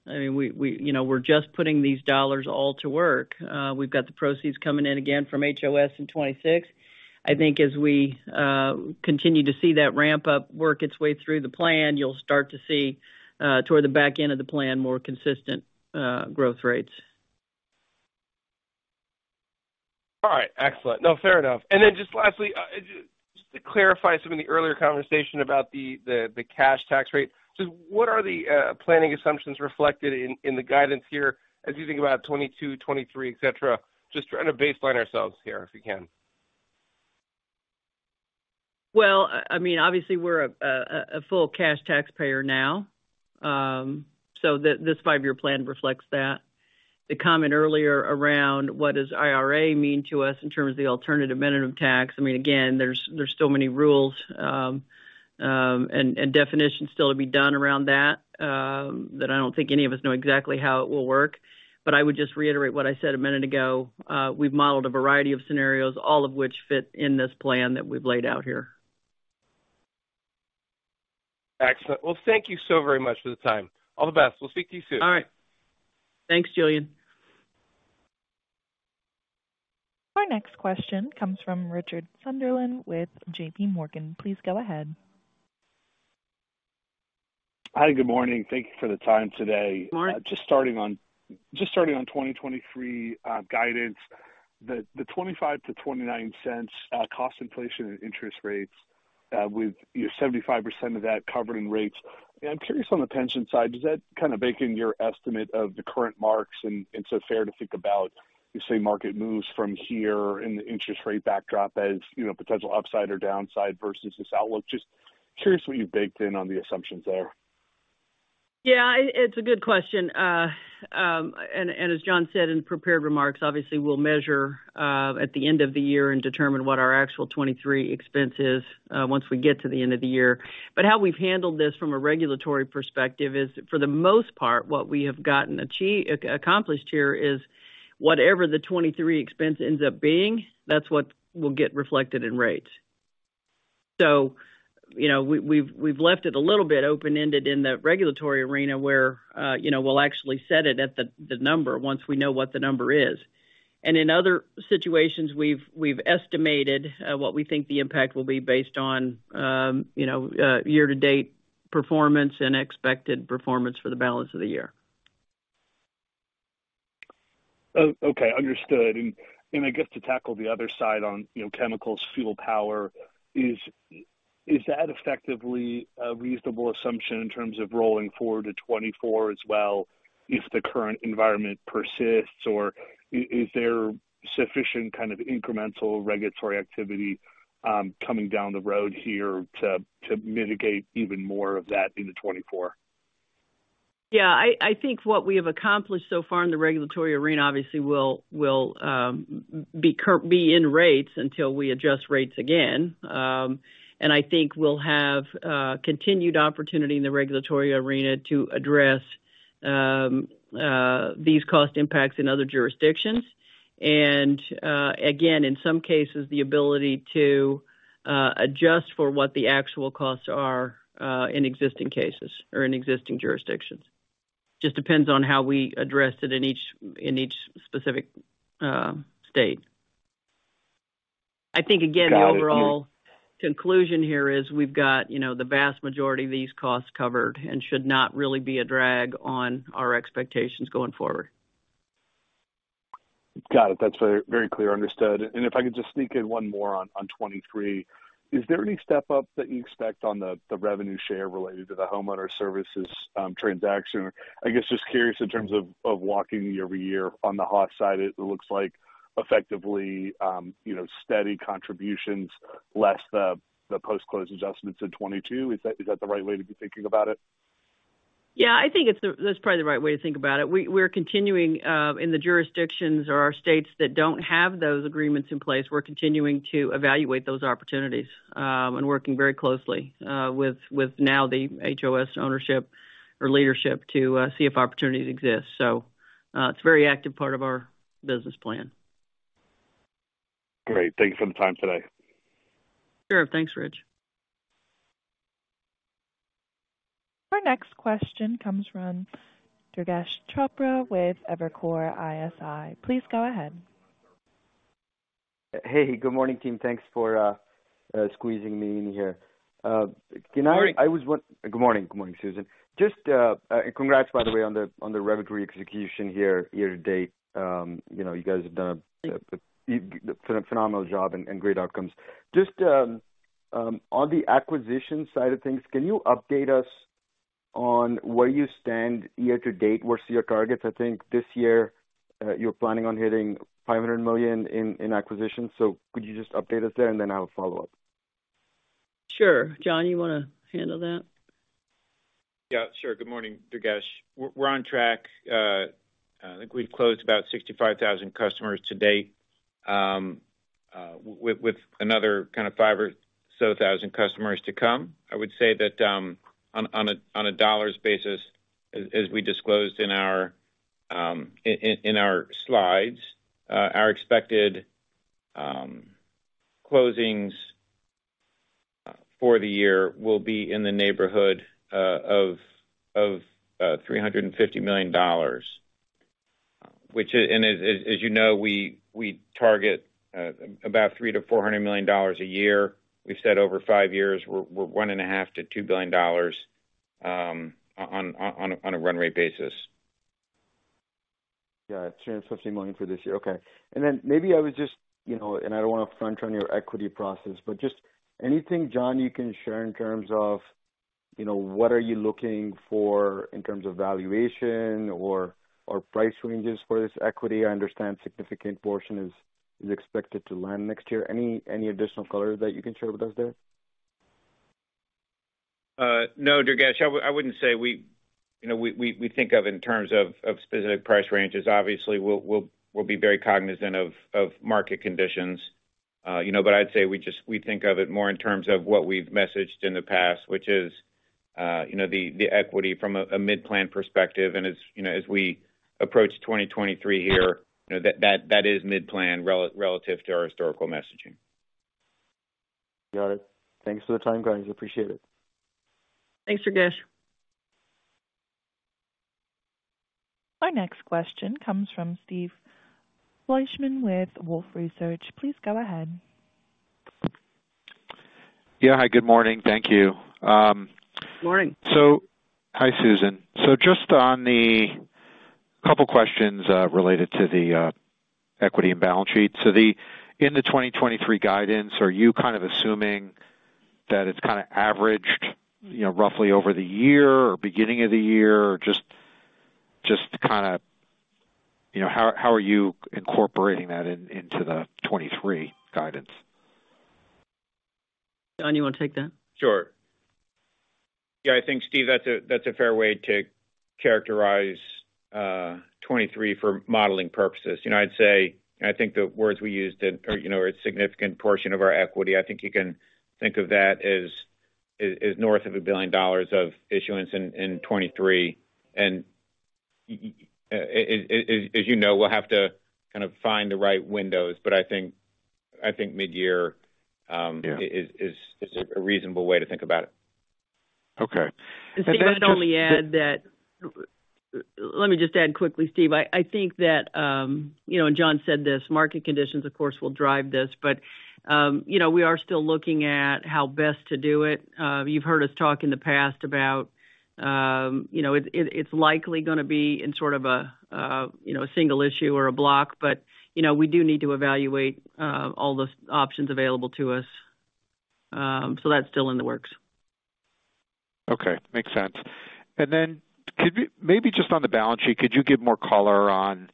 I mean, you know, we're just putting these dollars all to work. We've got the proceeds coming in again from HOS in 2026. I think as we continue to see that ramp-up work its way through the plan, you'll start to see toward the back end of the plan, more consistent growth rates. All right. Excellent. No, fair enough. Just lastly, just to clarify some of the earlier conversation about the cash tax rate. What are the planning assumptions reflected in the guidance here as you think about 2022, 2023, et cetera? Just trying to baseline ourselves here, if you can. I mean, obviously we're a full cash taxpayer now. This five-year plan reflects that. The comment earlier around what does IRA mean to us in terms of the alternative minimum tax, I mean, again, there's so many rules and definitions still to be done around that I don't think any of us know exactly how it will work. I would just reiterate what I said a minute ago. We've modeled a variety of scenarios, all of which fit in this plan that we've laid out here. Excellent. Well, thank you so very much for the time. All the best. We'll speak to you soon. All right. Thanks, Julien. Our next question comes from Richard Sunderland with JPMorgan. Please go ahead. Hi. Good morning. Thank you for the time today. Good morning. Just starting on 2023 guidance. The $0.25-$0.29 cost inflation and interest rates with your 75% of that covered in rates. I'm curious on the pension side, does that kind of bake in your estimate of the current marks? Is it fair to think about the same market moves from here in the interest rate backdrop as you know potential upside or downside versus this outlook? Just curious what you baked in on the assumptions there. Yeah, it's a good question. As John said in prepared remarks, obviously we'll measure at the end of the year and determine what our actual 2023 expense is once we get to the end of the year. How we've handled this from a regulatory perspective is, for the most part, what we have gotten accomplished here is whatever the 2023 expense ends up being, that's what will get reflected in rates. You know, we've left it a little bit open-ended in the regulatory arena where, you know, we'll actually set it at the number once we know what the number is. In other situations, we've estimated what we think the impact will be based on, you know, year-to-date performance and expected performance for the balance of the year. Okay. Understood. I guess to tackle the other side on, you know, chemicals, fuel, power, is that effectively a reasonable assumption in terms of rolling forward to 2024 as well if the current environment persists? Or is there sufficient kind of incremental regulatory activity coming down the road here to mitigate even more of that into 2024? Yeah, I think what we have accomplished so far in the regulatory arena obviously will be in rates until we adjust rates again. I think we'll have continued opportunity in the regulatory arena to address these cost impacts in other jurisdictions. Again, in some cases, the ability to adjust for what the actual costs are in existing cases or in existing jurisdictions. It just depends on how we address it in each specific state. I think again. Got it. The overall conclusion here is we've got, you know, the vast majority of these costs covered and should not really be a drag on our expectations going forward. Got it. That's very, very clear. Understood. If I could just sneak in one more on 23. Is there any step up that you expect on the revenue share related to the Homeowner Services transaction? I guess just curious in terms of walking year-over-year on the hot side, it looks like effectively, you know, steady contributions, less the post-close adjustments in 22. Is that the right way to be thinking about it? Yeah, I think that's probably the right way to think about it. We're continuing in the jurisdictions or our states that don't have those agreements in place, we're continuing to evaluate those opportunities, and working very closely with now the HOS ownership or leadership to see if opportunities exist. It's a very active part of our business plan. Great. Thank you for the time today. Sure. Thanks, Rich. Our next question comes from Durgesh Chopra with Evercore ISI. Please go ahead. Hey, good morning, team. Thanks for squeezing me in here. Can I? Good morning. Good morning. Good morning, Susan. Just, congrats by the way on the, on the regulatory execution here year to date. You know, you guys have done a phenomenal job and great outcomes. Just, on the acquisition side of things, can you update us on where you stand year to date versus your targets? I think this year, you're planning on hitting $500 million in acquisitions. Could you just update us there, and then I will follow up. Sure. John, you wanna handle that? Yeah, sure. Good morning, Durgesh. We're on track. I think we've closed about 65,000 customers to date, with another kind of 5,000 or so customers to come. I would say that, on a dollars basis, as we disclosed in our slides, our expected closings for the year will be in the neighborhood of $350 million. Which is, and as you know, we target about $300-$400 million a year. We've said over five years, we're $1.5-$2 billion, on a run rate basis. Yeah. $350 million for this year. Okay. Maybe I was just, you know, and I don't want to front run your equity process, but just anything, John, you can share in terms of, you know, what are you looking for in terms of valuation or price ranges for this equity? I understand significant portion is expected to land next year. Any additional color that you can share with us there? No, Durgesh. I wouldn't say we, you know, think of in terms of specific price ranges. Obviously, we'll be very cognizant of market conditions. You know, but I'd say we think of it more in terms of what we've messaged in the past, which is, you know, the equity from a mid-plan perspective. As you know, as we approach 2023 here, you know, that is mid-plan relative to our historical messaging. Got it. Thanks for the time, guys. Appreciate it. Thanks, Durgesh Chopra. Our next question comes from Steve Fleishman with Wolfe Research. Please go ahead. Yeah. Hi, good morning. Thank you. Good morning. Hi, Susan. Just on the couple questions related to the equity and balance sheet. In the 2023 guidance, are you kind of assuming that it's kind of averaged, you know, roughly over the year or beginning of the year? Or just kind of, you know, how are you incorporating that into the 2023 guidance? John, you wanna take that? Sure. Yeah, I think, Steve, that's a fair way to characterize 2023 for modeling purposes. You know, I'd say I think the words we used or, you know, a significant portion of our equity, I think you can think of that as north of $1 billion of issuance in 2023. As you know, we'll have to kind of find the right windows. I think midyear. Yeah. is a reasonable way to think about it. Okay. Steve, I'd only add that. Let me just add quickly, Steve. I think that, you know, John said this, market conditions, of course, will drive this, but, you know, we are still looking at how best to do it. You've heard us talk in the past about, you know, it's likely gonna be in sort of a, you know, a single issue or a block. You know, we do need to evaluate all the options available to us. That's still in the works. Okay. Makes sense. Then could you maybe just on the balance sheet give more color on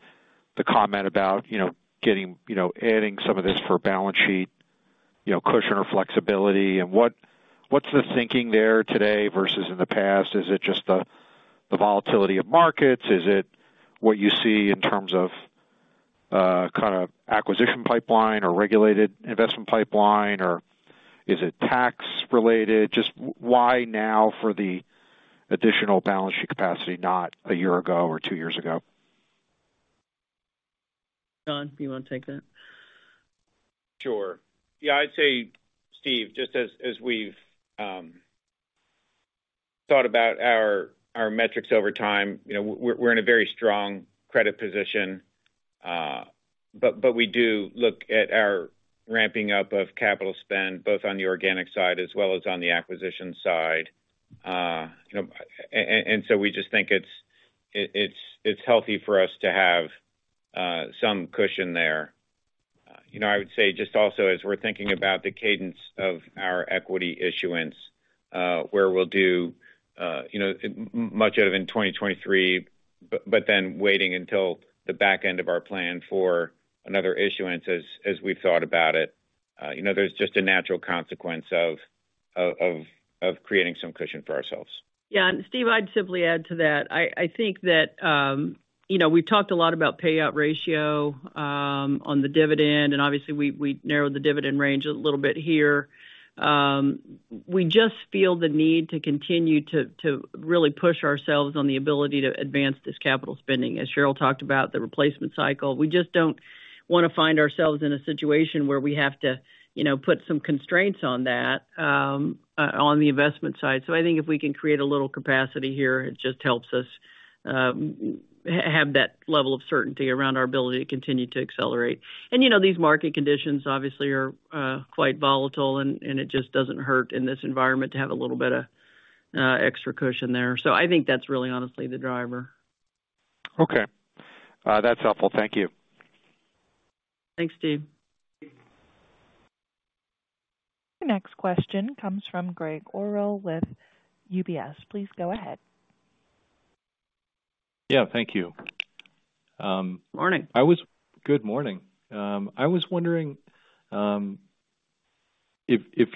the comment about, you know, getting, you know, adding some of this for balance sheet, you know, cushion or flexibility? What's the thinking there today versus in the past? Is it just the volatility of markets? Is it what you see in terms of kind of acquisition pipeline or regulated investment pipeline, or is it tax related? Just why now for the additional balance sheet capacity, not a year ago or two years ago? John, do you want to take that? Sure. Yeah, I'd say, Steve, just as we've thought about our metrics over time, you know, we're in a very strong credit position. But we do look at our ramping up of capital spend both on the organic side as well as on the acquisition side. So we just think it's healthy for us to have some cushion there. You know, I would say just also, as we're thinking about the cadence of our equity issuance, where we'll do much of it in 2023, but then waiting until the back end of our plan for another issuance as we've thought about it, you know, there's just a natural consequence of creating some cushion for ourselves. Yeah. Steve, I'd simply add to that. I think that, you know, we've talked a lot about payout ratio on the dividend, and obviously we narrowed the dividend range a little bit here. We just feel the need to continue to really push ourselves on the ability to advance this capital spending. As Cheryl talked about the replacement cycle, we just don't want to find ourselves in a situation where we have to, you know, put some constraints on that on the investment side. I think if we can create a little capacity here, it just helps us have that level of certainty around our ability to continue to accelerate. You know, these market conditions obviously are quite volatile, and it just doesn't hurt in this environment to have a little bit of extra cushion there. I think that's really honestly the driver. Okay. That's helpful. Thank you. Thanks, Steve. Your next question comes from Gregg Orrill with UBS. Please go ahead. Yeah, thank you. Morning. Good morning. I was wondering if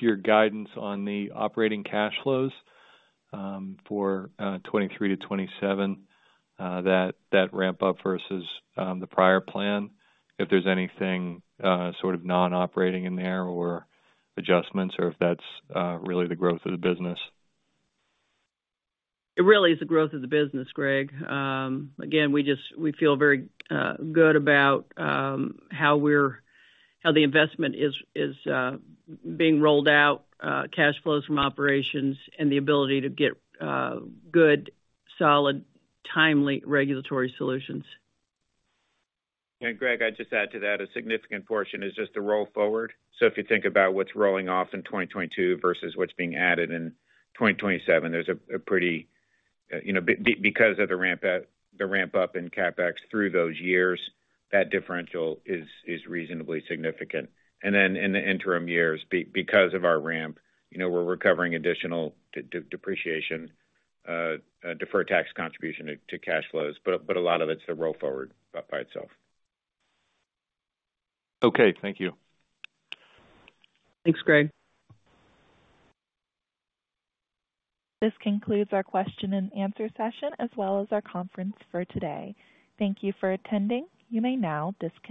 your guidance on the operating cash flows for 2023-2027, that ramp up versus the prior plan, if there's anything sort of non-operating in there or adjustments or if that's really the growth of the business. It really is the growth of the business, Greg. Again, we feel very good about how the investment is being rolled out, cash flows from operations and the ability to get good, solid, timely regulatory solutions. Greg, I'd just add to that, a significant portion is just the roll forward. If you think about what's rolling off in 2022 versus what's being added in 2027, there's a pretty, you know, because of the ramp up, the ramp up in CapEx through those years, that differential is reasonably significant. Then in the interim years, because of our ramp, you know, we're recovering additional depreciation, deferred tax contribution to cash flows. But a lot of it's the roll forward by itself. Okay. Thank you. Thanks, Greg. This concludes our question-and-answer session as well as our conference for today. Thank you for attending. You may now disconnect.